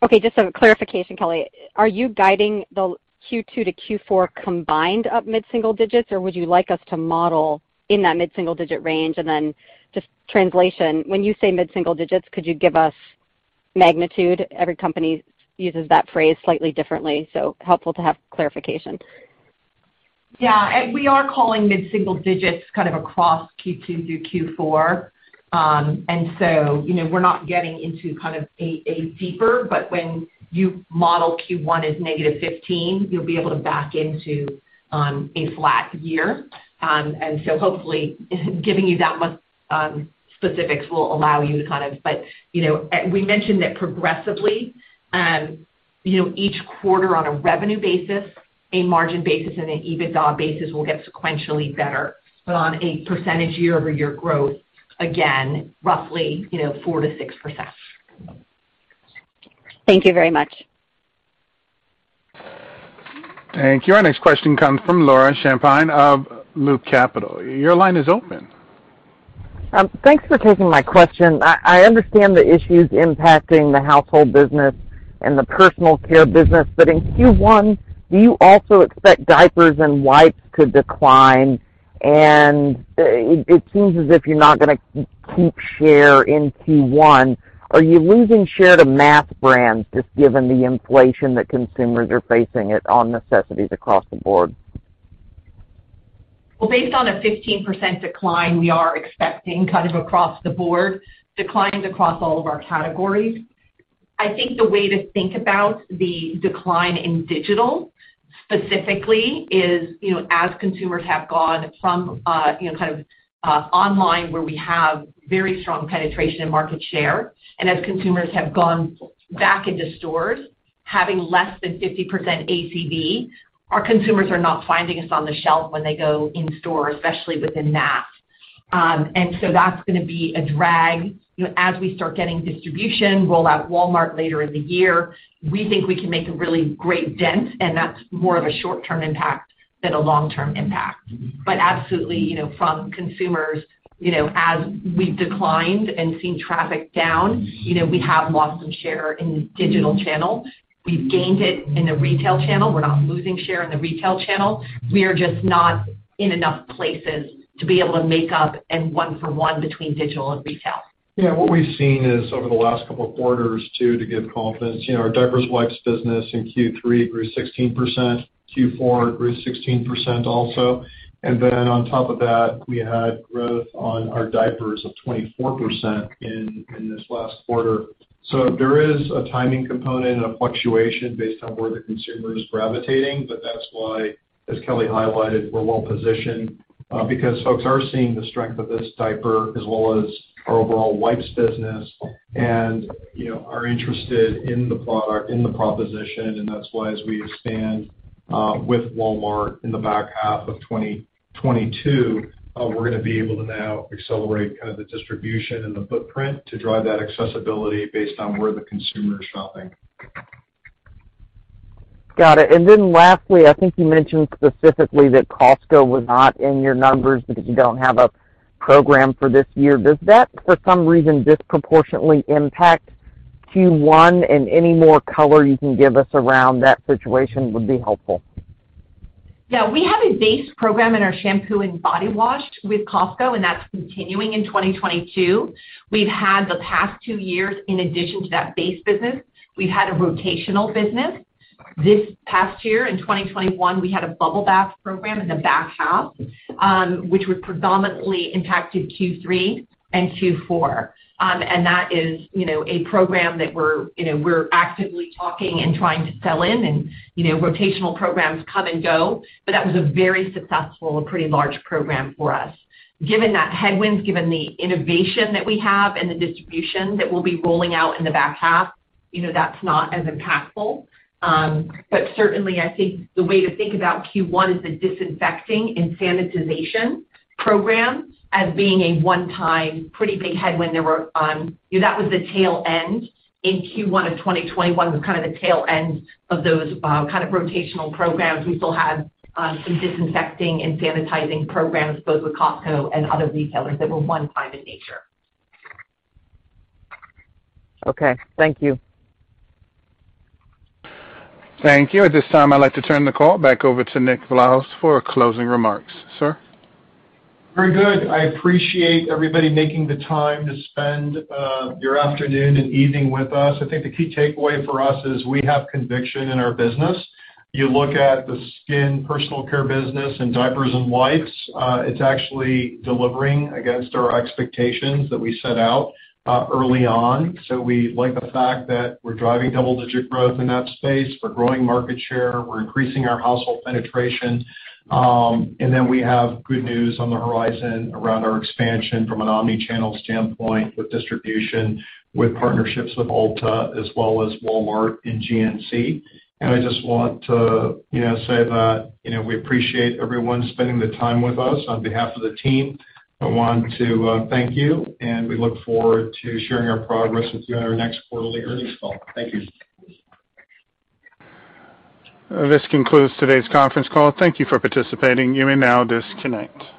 Okay, just a clarification, Kelly. Are you guiding the Q2 to Q4 combined up mid-single digits, or would you like us to model in that mid-single digit range? Just translation, when you say mid-single digits, could you give us magnitude? Every company uses that phrase slightly differently, so helpful to have clarification. We are calling mid-single digits kind of across Q2 through Q4. We're not getting into a deeper, but when you model Q1 as -15%, you'll be able to back into a flat year. Hopefully giving you that much specifics will allow you to. We mentioned that progressively each quarter on a revenue basis, a margin basis, and an EBITDA basis will get sequentially better. On a percentage year-over-year growth, again, roughly, 4%-6%. Thank you very much. Thank you. Our next question comes from Laura Champine of Loop Capital. Your line is open. Thanks for taking my question. I understand the issues impacting the household business and the personal care business, but in Q1, do you also expect diapers and wipes to decline? It seems as if you're not gonna keep share in Q1. Are you losing share to mass brands just given the inflation that consumers are facing at all necessities across the board? Well, based on a 15% decline, we are expecting kind of across the board declines across all of our categories. I think the way to think about the decline in digital specifically is, you know, as consumers have gone from, you know, kind of, online where we have very strong penetration and market share, and as consumers have gone back into stores having less than 50% ACV, our consumers are not finding us on the shelf when they go in store, especially within mass. That's gonna be a drag. You know, as we start getting distribution, roll out Walmart later in the year, we think we can make a really great dent, and that's more of a short-term impact than a long-term impact. Absolutely, you know, from consumers, you know, as we've declined and seen traffic down, you know, we have lost some share in digital channel. We've gained it in the retail channel. We're not losing share in the retail channel. We are just not in enough places to be able to make up and one for one between digital and retail. Yeah. What we've seen is over the last couple of quarters too to give confidence, you know, our diapers, wipes business in Q3 grew 16%, Q4 grew 16% also. Then on top of that, we had growth on our diapers of 24% in this last quarter. There is a timing component and a fluctuation based on where the consumer is gravitating, but that's why, as Kelly Kennedy highlighted, we're well positioned, because folks are seeing the strength of this diaper as well as our overall wipes business and, you know, are interested in the product, in the proposition, and that's why as we expand with Walmart in the back half of 2022, we're gonna be able to now accelerate kind of the distribution and the footprint to drive that accessibility based on where the consumer is shopping. Got it. Then lastly, I think you mentioned specifically that Costco was not in your numbers because you don't have a program for this year. Does that, for some reason, disproportionately impact Q1? Any more color you can give us around that situation would be helpful. Yeah. We have a base program in our shampoo and body wash with Costco, and that's continuing in 2022. We've had the past two years in addition to that base business. We've had a rotational business. This past year in 2021, we had a bubble bath program in the back half, which was predominantly impacted Q3 and Q4. And that is, you know, a program that we're, you know, actively talking and trying to sell in and, you know, rotational programs come and go, but that was a very successful, a pretty large program for us. Given that headwinds, given the innovation that we have and the distribution that we'll be rolling out in the back half, you know, that's not as impactful. Certainly I think the way to think about Q1 is the disinfecting and sanitization program as being a one-time pretty big headwind. You know, that was the tail end in Q1 of 2021. It was kind of the tail end of those kind of rotational programs. We still have some disinfecting and sanitizing programs both with Costco and other retailers that were one time in nature. Okay. Thank you. Thank you. At this time, I'd like to turn the call back over to Nick Vlahos for closing remarks. Sir? Very good. I appreciate everybody making the time to spend your afternoon and evening with us. I think the key takeaway for us is we have conviction in our business. You look at the skin personal care business and diapers and wipes, it's actually delivering against our expectations that we set out early on. We like the fact that we're driving double-digit growth in that space. We're growing market share. We're increasing our household penetration. And then we have good news on the horizon around our expansion from an omni-channel standpoint with distribution, with partnerships with Ulta as well as Walmart and GNC. I just want to, you know, say that, you know, we appreciate everyone spending the time with us. On behalf of the team, I want to thank you, and we look forward to sharing our progress with you on our next quarterly earnings call. Thank you. This concludes today's conference call. Thank you for participating. You may now disconnect.